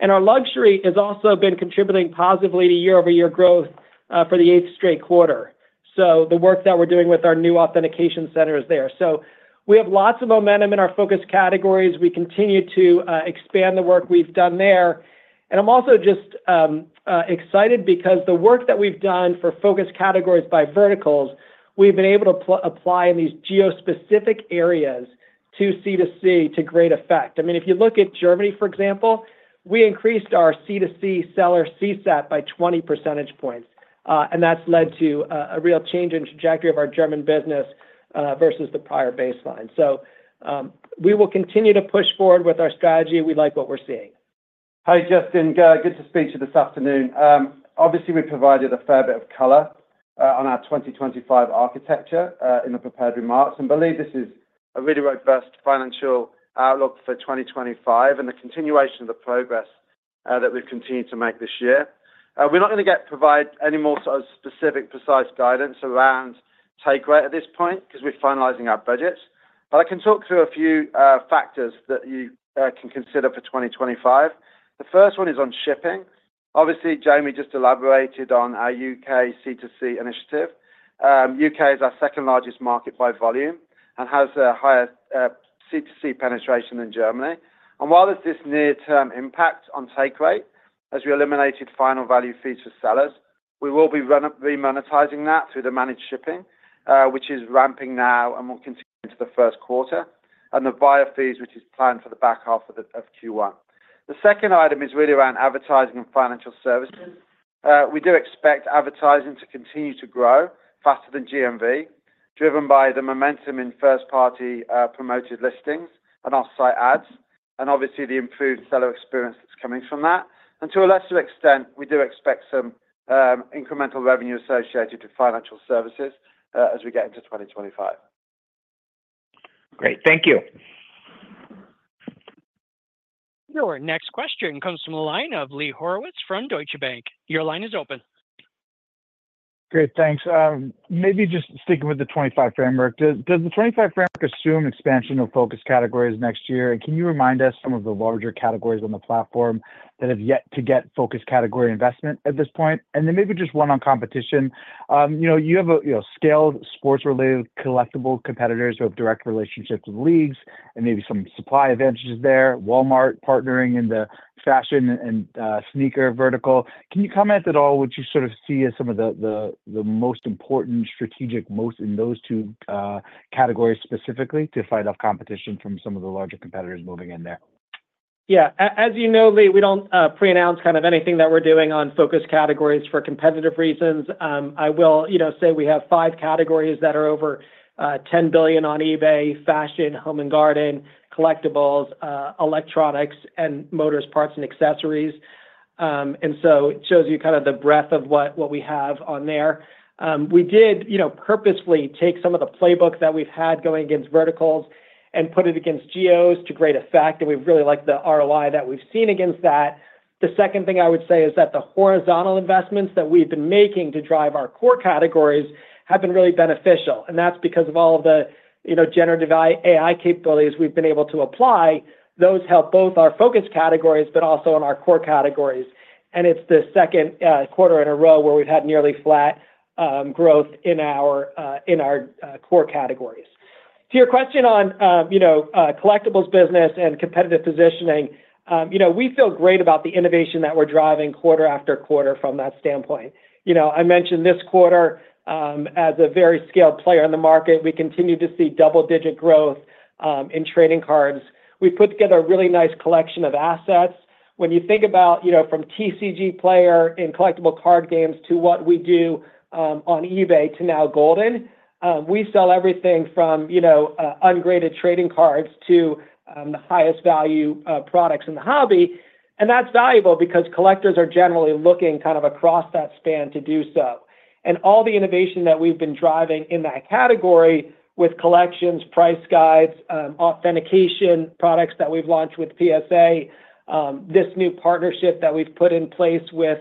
And our luxury has also been contributing positively to year-over-year growth for the eighth straight quarter. So the work that we're doing with our new authentication center is there. So we have lots of momentum in our focus categories. We continue to expand the work we've done there. And I'm also just excited because the work that we've done for focus categories by verticals, we've been able to apply in these geo-specific areas to C2C to great effect. I mean, if you look at Germany, for example, we increased our C2C seller CSAT by 20 percentage points. And that's led to a real change in trajectory of our German business versus the prior baseline. So we will continue to push forward with our strategy. We like what we're seeing. Hi, Justin. Good to speak to you this afternoon. Obviously, we provided a fair bit of color on our 2025 architecture in the prepared remarks. I believe this is a really robust financial outlook for 2025 and the continuation of the progress that we've continued to make this year. We're not going to provide any more sort of specific, precise guidance around take rate at this point because we're finalizing our budgets. I can talk through a few factors that you can consider for 2025. The first one is on shipping. Obviously, Jamie just elaborated on our U.K. C2C initiative. U.K. is our second largest market by volume and has a higher C2C penetration than Germany. And while there's this near-term impact on take rate, as we eliminated final value fees for sellers, we will be remonetizing that through the managed shipping, which is ramping now and will continue into the first quarter, and the buyer fees, which is planned for the back half of Q1. The second item is really around advertising and financial services. We do expect advertising to continue to grow faster than GMV, driven by the momentum in first-party promoted listings and off-site ads, and obviously the improved seller experience that's coming from that. And to a lesser extent, we do expect some incremental revenue associated with financial services as we get into 2025. Great. Thank you. Your next question comes from the line of Lee Horowitz from Deutsche Bank. Your line is open. Great. Thanks. Maybe just sticking with the 25 framework. Does the 25 framework assume expansion of focus categories next year? And can you remind us some of the larger categories on the platform that have yet to get focus category investment at this point? And then maybe just one on competition. You have scaled sports-related collectible competitors who have direct relationships with leagues and maybe some supply advantages there. Walmart partnering in the fashion and sneaker vertical. Can you comment at all what you sort of see as some of the most important strategic moats in those two categories specifically to fight off competition from some of the larger competitors moving in there? Yeah. As you know, Lee, we don't pre-announce kind of anything that we're doing on focus categories for competitive reasons. I will say we have five categories that are over 10 billion on eBay: fashion, home and garden, collectibles, electronics, and motors, parts, and accessories. And so it shows you kind of the breadth of what we have on there. We did purposefully take some of the playbook that we've had going against verticals and put it against GEOs to great effect. And we really like the ROI that we've seen against that. The second thing I would say is that the horizontal investments that we've been making to drive our core categories have been really beneficial. And that's because of all of the generative AI capabilities we've been able to apply. Those help both our focus categories but also on our core categories. And it's the second quarter in a row where we've had nearly flat growth in our core categories. To your question on collectibles business and competitive positioning, we feel great about the innovation that we're driving quarter after quarter from that standpoint. I mentioned this quarter as a very scaled player in the market. We continue to see double-digit growth in trading cards. We put together a really nice collection of assets. When you think about from TCGplayer in collectible card games to what we do on eBay to now Goldin, we sell everything from ungraded trading cards to the highest value products in the hobby. And that's valuable because collectors are generally looking kind of across that span to do so. And all the innovation that we've been driving in that category with collections, price guides, authentication products that we've launched with PSA, this new partnership that we've put in place with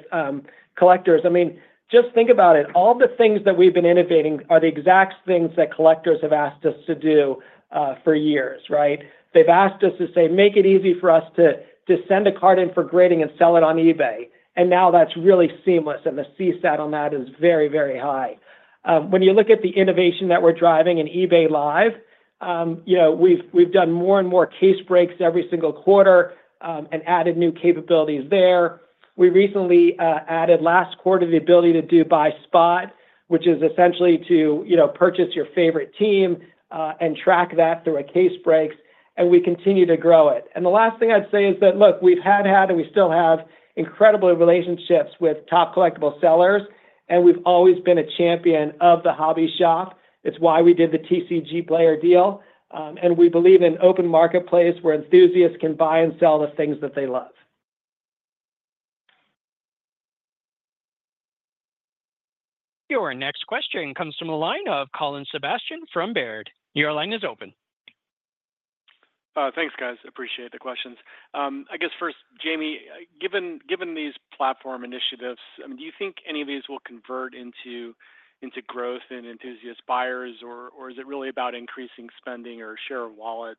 Collectors. I mean, just think about it. All the things that we've been innovating are the exact things that collectors have asked us to do for years, right? They've asked us to say, "Make it easy for us to send a card in for grading and sell it on eBay." Now that's really seamless. The CSAT on that is very, very high. When you look at the innovation that we're driving in eBay Live, we've done more and more case breaks every single quarter and added new capabilities there. We recently added last quarter the ability to do buy spot, which is essentially to purchase your favorite team and track that through a case breaks. We continue to grow it. The last thing I'd say is that, look, we've had and we still have incredible relationships with top collectible sellers. We've always been a champion of the hobby shop. It's why we did the TCGplayer deal. And we believe in open marketplace where enthusiasts can buy and sell the things that they love. Your next question comes from the line of Colin Sebastian from Baird. Your line is open. Thanks, guys. Appreciate the questions. I guess first, Jamie, given these platform initiatives, do you think any of these will convert into growth and enthusiast buyers, or is it really about increasing spending or share of wallet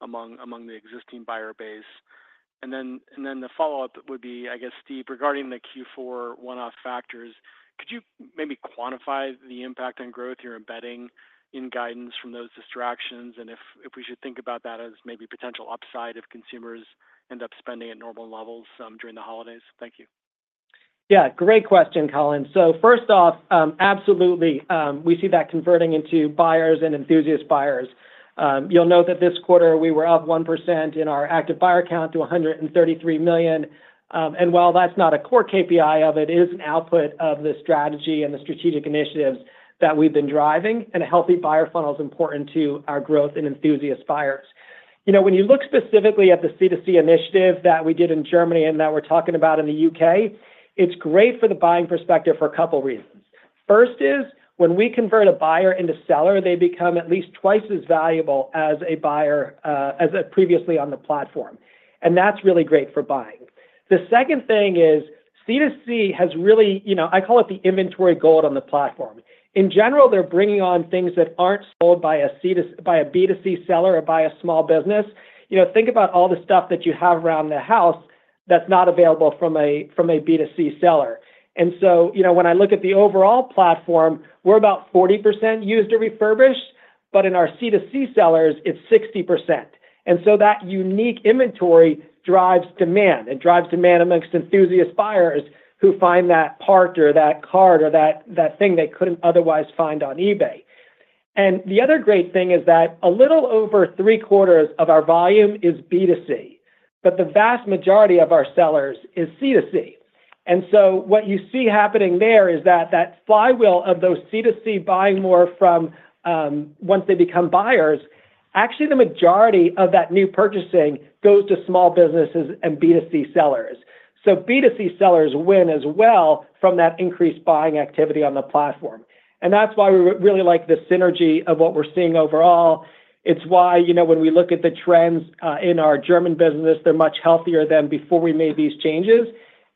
among the existing buyer base? And then the follow-up would be, I guess, Steve, regarding the Q4 one-off factors, could you maybe quantify the impact on growth you're embedding in guidance from those distractions? And if we should think about that as maybe potential upside if consumers end up spending at normal levels during the holidays? Thank you. Yeah. Great question, Colin. So first off, absolutely. We see that converting into buyers and enthusiast buyers. You'll note that this quarter, we were up 1% in our active buyer count to 133 million. And while that's not a core KPI of it, it is an output of the strategy and the strategic initiatives that we've been driving. And a healthy buyer funnel is important to our growth and enthusiast buyers. When you look specifically at the C2C initiative that we did in Germany and that we're talking about in the U.K., it's great for the buying perspective for a couple of reasons. First is when we convert a buyer into seller, they become at least twice as valuable as a buyer as previously on the platform. And that's really great for buying. The second thing is C2C has really, I call it the inventory gold on the platform. In general, they're bringing on things that aren't sold by a B2C seller or by a small business. Think about all the stuff that you have around the house that's not available from a B2C seller. And so when I look at the overall platform, we're about 40% used or refurbished, but in our C2C sellers, it's 60%. And so that unique inventory drives demand. It drives demand amongst enthusiast buyers who find that part or that card or that thing they couldn't otherwise find on eBay. And the other great thing is that a little over three quarters of our volume is B2C, but the vast majority of our sellers is C2C. And so what you see happening there is that that flywheel of those C2C buying more from once they become buyers. Actually, the majority of that new purchasing goes to small businesses and B2C sellers. So B2C sellers win as well from that increased buying activity on the platform. And that's why we really like the synergy of what we're seeing overall. It's why when we look at the trends in our German business, they're much healthier than before we made these changes.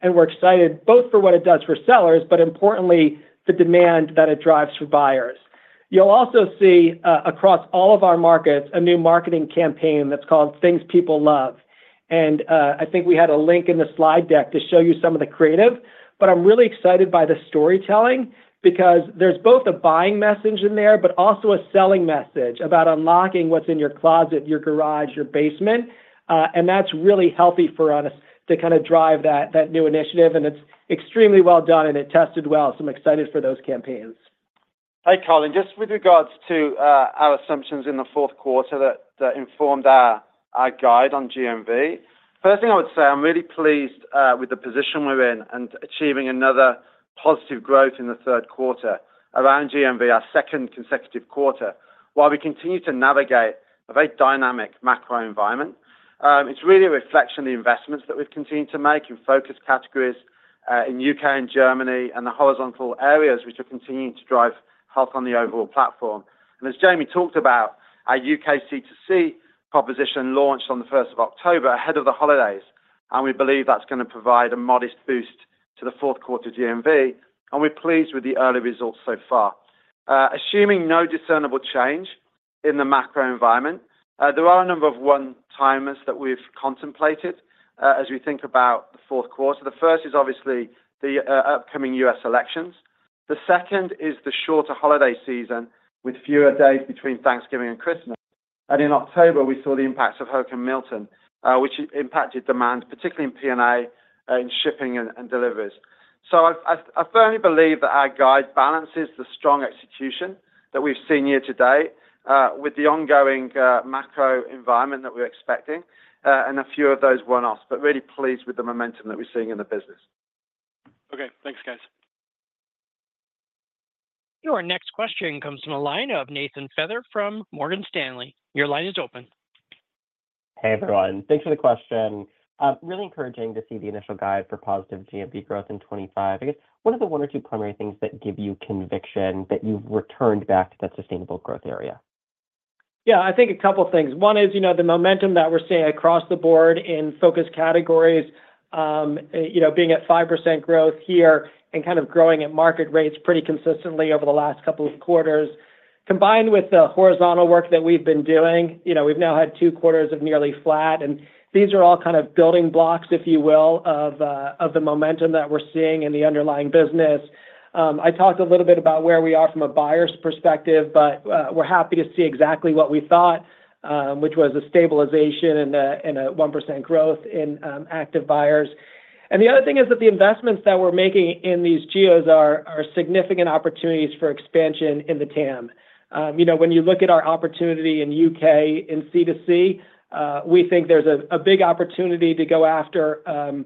And we're excited both for what it does for sellers, but importantly, the demand that it drives for buyers. You'll also see across all of our markets a new marketing campaign that's called Things People Love. And I think we had a link in the slide deck to show you some of the creative. But I'm really excited by the storytelling because there's both a buying message in there, but also a selling message about unlocking what's in your closet, your garage, your basement. And that's really healthy for us to kind of drive that new initiative. And it's extremely well done, and it tested well. So I'm excited for those campaigns. Hi, Colin. Just with regards to our assumptions in the fourth quarter that informed our guide on GMV, first thing I would say, I'm really pleased with the position we're in and achieving another positive growth in the third quarter around GMV, our second consecutive quarter. While we continue to navigate a very dynamic macro environment, it's really a reflection of the investments that we've continued to make in focus categories in U.K. and Germany and the horizontal areas, which are continuing to drive health on the overall platform, and as Jamie talked about, our U.K. C2C proposition launched on the 1st of October ahead of the holidays, and we're pleased with the early results so far. Assuming no discernible change in the macro environment, there are a number of one-timers that we've contemplated as we think about the fourth quarter. The first is obviously the upcoming U.S. elections. The second is the shorter holiday season with fewer days between Thanksgiving and Christmas. And in October, we saw the impacts of Hurricane Milton, which impacted demand, particularly in P&A, in shipping and deliveries. So I firmly believe that our guide balances the strong execution that we've seen year to date with the ongoing macro environment that we're expecting and a few of those one-offs, but really pleased with the momentum that we're seeing in the business. Okay. Thanks, guys. Your next question comes from the line of Nathan Feather from Morgan Stanley. Your line is open. Hey, everyone. Thanks for the question. Really encouraging to see the initial guide for positive GMV growth in 2025. I guess, what are the one or two primary things that give you conviction that you've returned back to that sustainable growth area? Yeah, I think a couple of things. One is the momentum that we're seeing across the board in focus categories being at 5% growth here and kind of growing at market rates pretty consistently over the last couple of quarters. Combined with the horizontal work that we've been doing, we've now had two quarters of nearly flat. And these are all kind of building blocks, if you will, of the momentum that we're seeing in the underlying business. I talked a little bit about where we are from a buyer's perspective, but we're happy to see exactly what we thought, which was a stabilization and a 1% growth in active buyers. And the other thing is that the investments that we're making in these geos are significant opportunities for expansion in the TAM. When you look at our opportunity in U.K. in C2C, we think there's a big opportunity to go after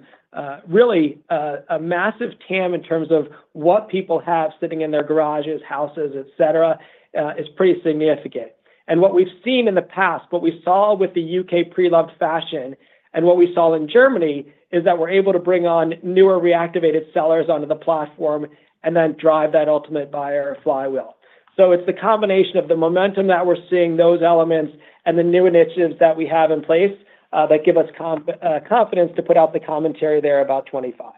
really a massive TAM in terms of what people have sitting in their garages, houses, etc., is pretty significant. And what we've seen in the past, what we saw with the U.K. pre-loved fashion and what we saw in Germany is that we're able to bring on newer reactivated sellers onto the platform and then drive that ultimate buyer flywheel. So it's the combination of the momentum that we're seeing, those elements, and the new initiatives that we have in place that give us confidence to put out the commentary there about 2025.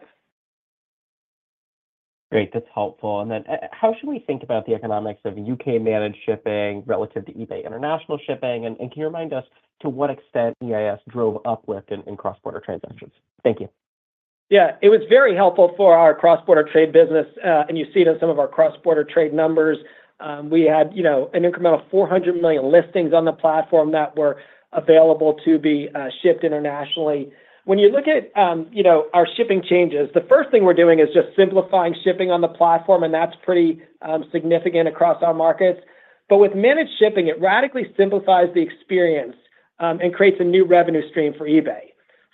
Great. That's helpful. And then how should we think about the economics of U.K.-managed shipping relative to eBay International Shipping? And can you remind us to what extent EIS drove uplift in cross-border transactions? Thank you. Yeah. It was very helpful for our cross-border trade business. And you see it in some of our cross-border trade numbers. We had an incremental 400 million listings on the platform that were available to be shipped internationally. When you look at our shipping changes, the first thing we're doing is just simplifying shipping on the platform. And that's pretty significant across our markets. But with managed shipping, it radically simplifies the experience and creates a new revenue stream for eBay.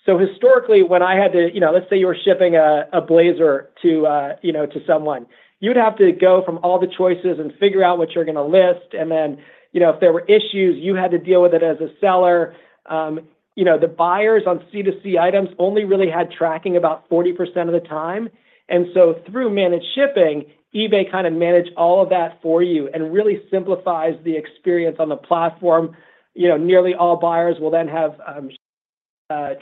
So historically, when I had to, let's say you were shipping a blazer to someone, you'd have to go from all the choices and figure out what you're going to list. If there were issues, you had to deal with it as a seller. The buyers on C2C items only really had tracking about 40% of the time. Through managed shipping, eBay kind of managed all of that for you and really simplifies the experience on the platform. Nearly all buyers will then have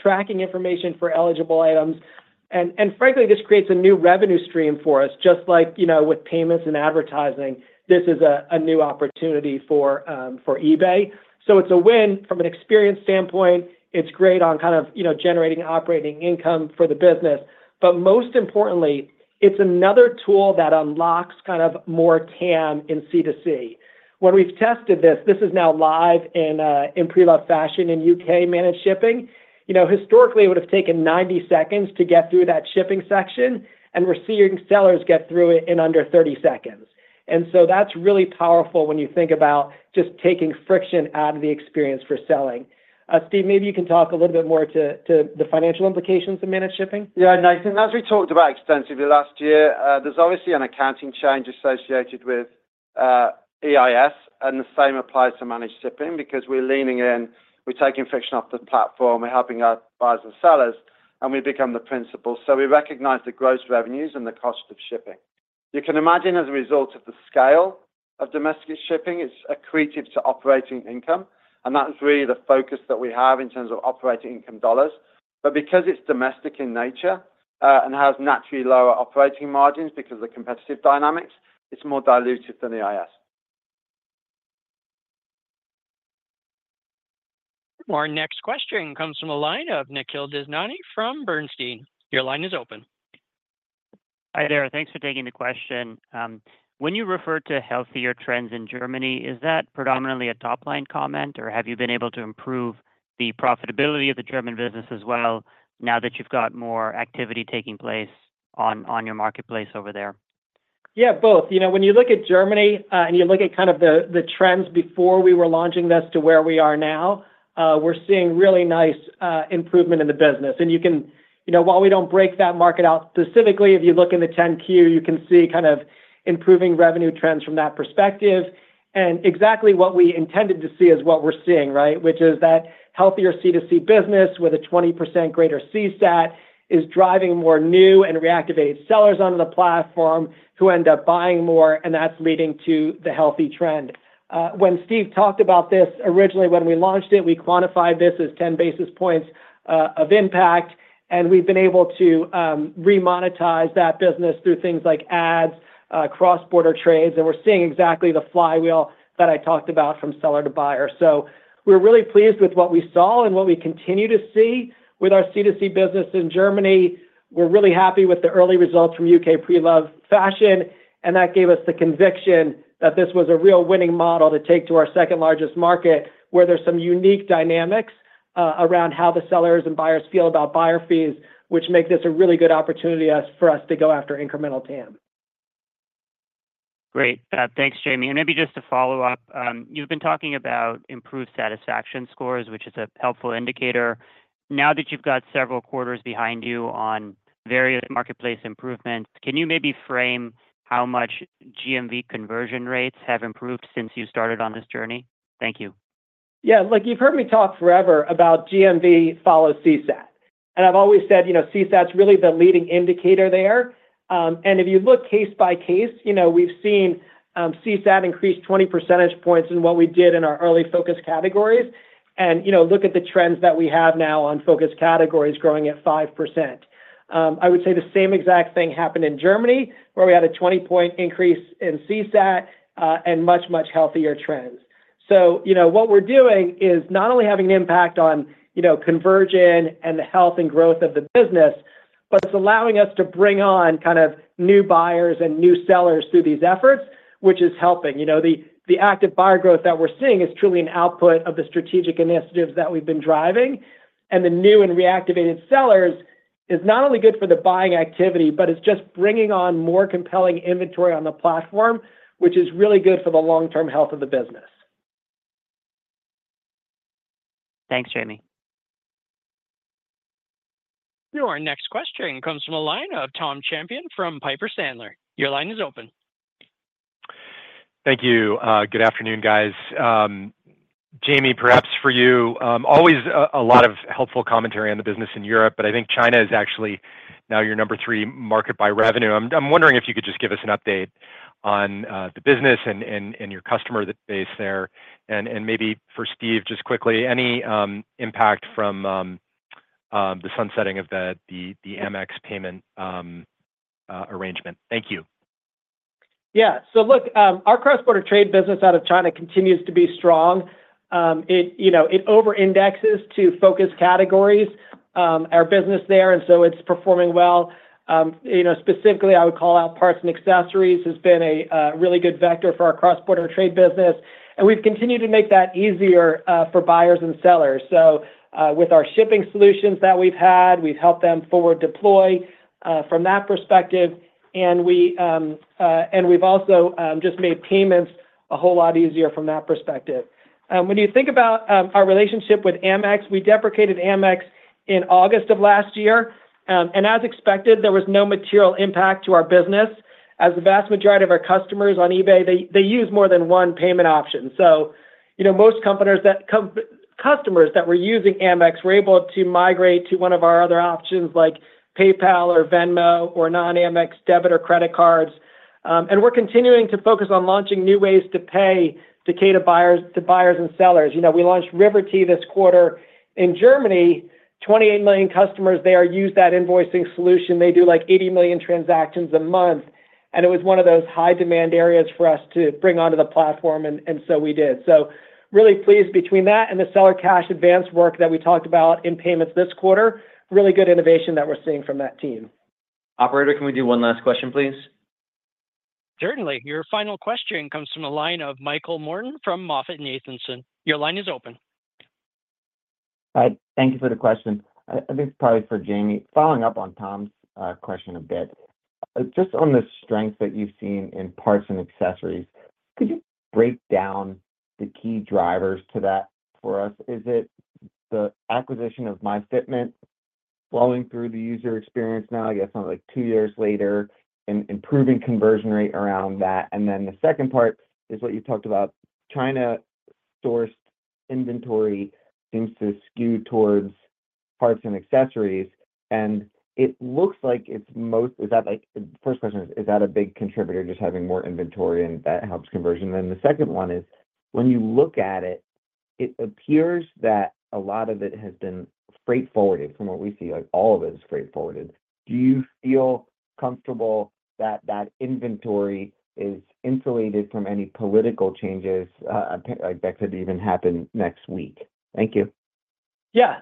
tracking information for eligible items. Frankly, this creates a new revenue stream for us, just like with payments and advertising. This is a new opportunity for eBay. It's a win from an experience standpoint. It's great on kind of generating operating income for the business. Most importantly, it's another tool that unlocks kind of more TAM in C2C. When we've tested this, this is now live in pre-loved fashion in U.K. managed shipping. Historically, it would have taken 90 seconds to get through that shipping section, and we're seeing sellers get through it in under 30 seconds. And so that's really powerful when you think about just taking friction out of the experience for selling. Steve, maybe you can talk a little bit more to the financial implications of managed shipping. Yeah. Nathan, as we talked about extensively last year, there's obviously an accounting change associated with EIS. And the same applies to managed shipping because we're leaning in. We're taking friction off the platform. We're helping our buyers and sellers, and we become the principal. So we recognize the gross revenues and the cost of shipping. You can imagine, as a result of the scale of domestic shipping, it's accretive to operating income. And that's really the focus that we have in terms of operating income dollars. But because it's domestic in nature and has naturally lower operating margins because of the competitive dynamics, it's more diluted than EIS. Our next question comes from the line of Nikhil Devnani from Bernstein. Your line is open. Hi there. Thanks for taking the question. When you refer to healthier trends in Germany, is that predominantly a top-line comment, or have you been able to improve the profitability of the German business as well now that you've got more activity taking place on your marketplace over there? Yeah, both. When you look at Germany and you look at kind of the trends before we were launching this to where we are now, we're seeing really nice improvement in the business. And while we don't break that market out specifically, if you look in the 10-Q, you can see kind of improving revenue trends from that perspective. Exactly what we intended to see is what we're seeing, right, which is that healthier C2C business with a 20% greater CSAT is driving more new and reactivated sellers onto the platform who end up buying more, and that's leading to the healthy trend. When Steve talked about this, originally, when we launched it, we quantified this as 10 basis points of impact. We've been able to remonetize that business through things like ads, cross-border trades. We're seeing exactly the flywheel that I talked about from seller to buyer. We're really pleased with what we saw and what we continue to see with our C2C business in Germany. We're really happy with the early results from U.K. pre-loved fashion. And that gave us the conviction that this was a real winning model to take to our second largest market, where there's some unique dynamics around how the sellers and buyers feel about buyer fees, which make this a really good opportunity for us to go after incremental TAM. Great. Thanks, Jamie. And maybe just to follow up, you've been talking about improved satisfaction scores, which is a helpful indicator. Now that you've got several quarters behind you on various marketplace improvements, can you maybe frame how much GMV conversion rates have improved since you started on this journey? Thank you. Yeah. Look, you've heard me talk forever about GMV follows CSAT. And I've always said CSAT's really the leading indicator there. And if you look case by case, we've seen CSAT increase 20 percentage points in what we did in our early focus categories. Look at the trends that we have now on focus categories growing at 5%. I would say the same exact thing happened in Germany, where we had a 20-point increase in CSAT and much, much healthier trends. What we're doing is not only having an impact on conversion and the health and growth of the business, but it's allowing us to bring on kind of new buyers and new sellers through these efforts, which is helping. The active buyer growth that we're seeing is truly an output of the strategic initiatives that we've been driving. The new and reactivated sellers is not only good for the buying activity, but it's just bringing on more compelling inventory on the platform, which is really good for the long-term health of the business. Thanks, Jamie. Your next question comes from the line of Tom Champion from Piper Sandler. Your line is open. Thank you. Good afternoon, guys. Jamie, perhaps for you, always a lot of helpful commentary on the business in Europe, but I think China is actually now your number three market by revenue. I'm wondering if you could just give us an update on the business and your customer base there. And maybe for Steve, just quickly, any impact from the sunsetting of the Amex payment arrangement? Thank you. Yeah. So look, our cross-border trade business out of China continues to be strong. It over-indexes to focus categories our business there, and so it's performing well. Specifically, I would call out parts and accessories has been a really good vector for our cross-border trade business. And we've continued to make that easier for buyers and sellers. So with our shipping solutions that we've had, we've helped them forward deploy from that perspective. And we've also just made payments a whole lot easier from that perspective. When you think about our relationship with Amex, we deprecated Amex in August of last year. And as expected, there was no material impact to our business. As the vast majority of our customers on eBay, they use more than one payment option. So most customers that were using Amex were able to migrate to one of our other options like PayPal or Venmo or non-Amex debit or credit cards. And we're continuing to focus on launching new ways to pay to buyers and sellers. We launched Riverty this quarter in Germany. 28 million customers there use that invoicing solution. They do like 80 million transactions a month. And it was one of those high-demand areas for us to bring onto the platform, and so we did. So, really pleased between that and the seller cash advance work that we talked about in payments this quarter, really good innovation that we're seeing from that team. Operator, can we do one last question, please? Certainly. Your final question comes from the line of Michael Morton from MoffettNathanson. Your line is open. Thank you for the question. I think it's probably for Jamie. Following up on Tom's question a bit, just on the strength that you've seen in parts and accessories, could you break down the key drivers to that for us? Is it the acquisition of myFitment flowing through the user experience now? I guess like two years later, improving conversion rate around that. And then the second part is what you talked about. China's sourced inventory seems to skew towards parts and accessories. It looks like it's most. Is that like the first question is, is that a big contributor, just having more inventory and that helps conversion? And then the second one is, when you look at it, it appears that a lot of it has been straightforward from what we see. All of it is straightforward. Do you feel comfortable that that inventory is insulated from any political changes that could even happen next week? Thank you. Yeah.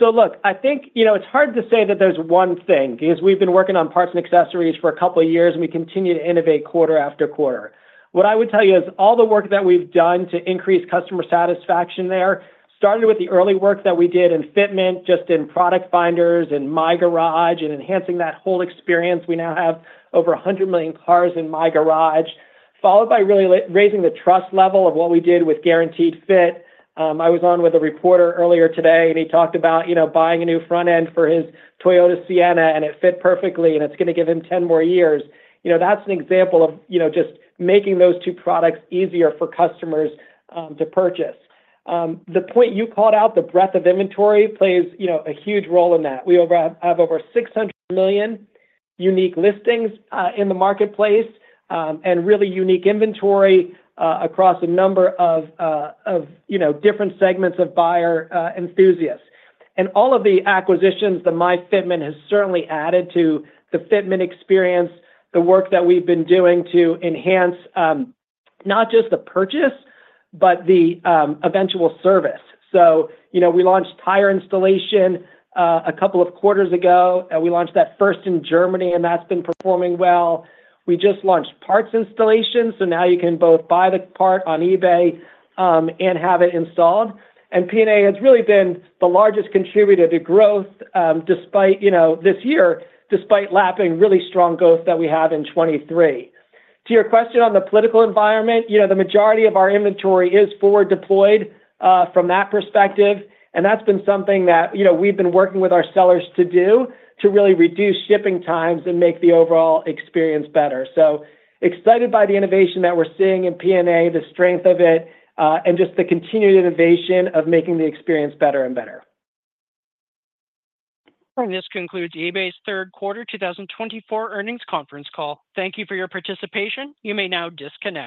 Look, I think it's hard to say that there's one thing because we've been working on parts and accessories for a couple of years, and we continue to innovate quarter after quarter. What I would tell you is all the work that we've done to increase customer satisfaction there, starting with the early work that we did in fitment, just in product finders and My Garage, and enhancing that whole experience. We now have over 100 million cars in My Garage, followed by really raising the trust level of what we did with Guaranteed Fit. I was on with a reporter earlier today, and he talked about buying a new front end for his Toyota Sienna, and it fit perfectly, and it's going to give him 10 more years. That's an example of just making those two products easier for customers to purchase. The point you called out, the breadth of inventory plays a huge role in that. We have over 600 million unique listings in the marketplace and really unique inventory across a number of different segments of buyer enthusiasts. All of the acquisitions that myFitment has certainly added to the fitment experience, the work that we've been doing to enhance not just the purchase, but the eventual service. We launched tire installation a couple of quarters ago. We launched that first in Germany, and that's been performing well. We just launched parts installation, so now you can both buy the part on eBay and have it installed, and P&A has really been the largest contributor to growth this year, despite lapping really strong growth that we have in 2023. To your question on the political environment, the majority of our inventory is forward deployed from that perspective, and that's been something that we've been working with our sellers to do to really reduce shipping times and make the overall experience better, so excited by the innovation that we're seeing in P&A, the strength of it, and just the continued innovation of making the experience better and better. And this concludes eBay's third quarter 2024 earnings conference call. Thank you for your participation. You may now disconnect.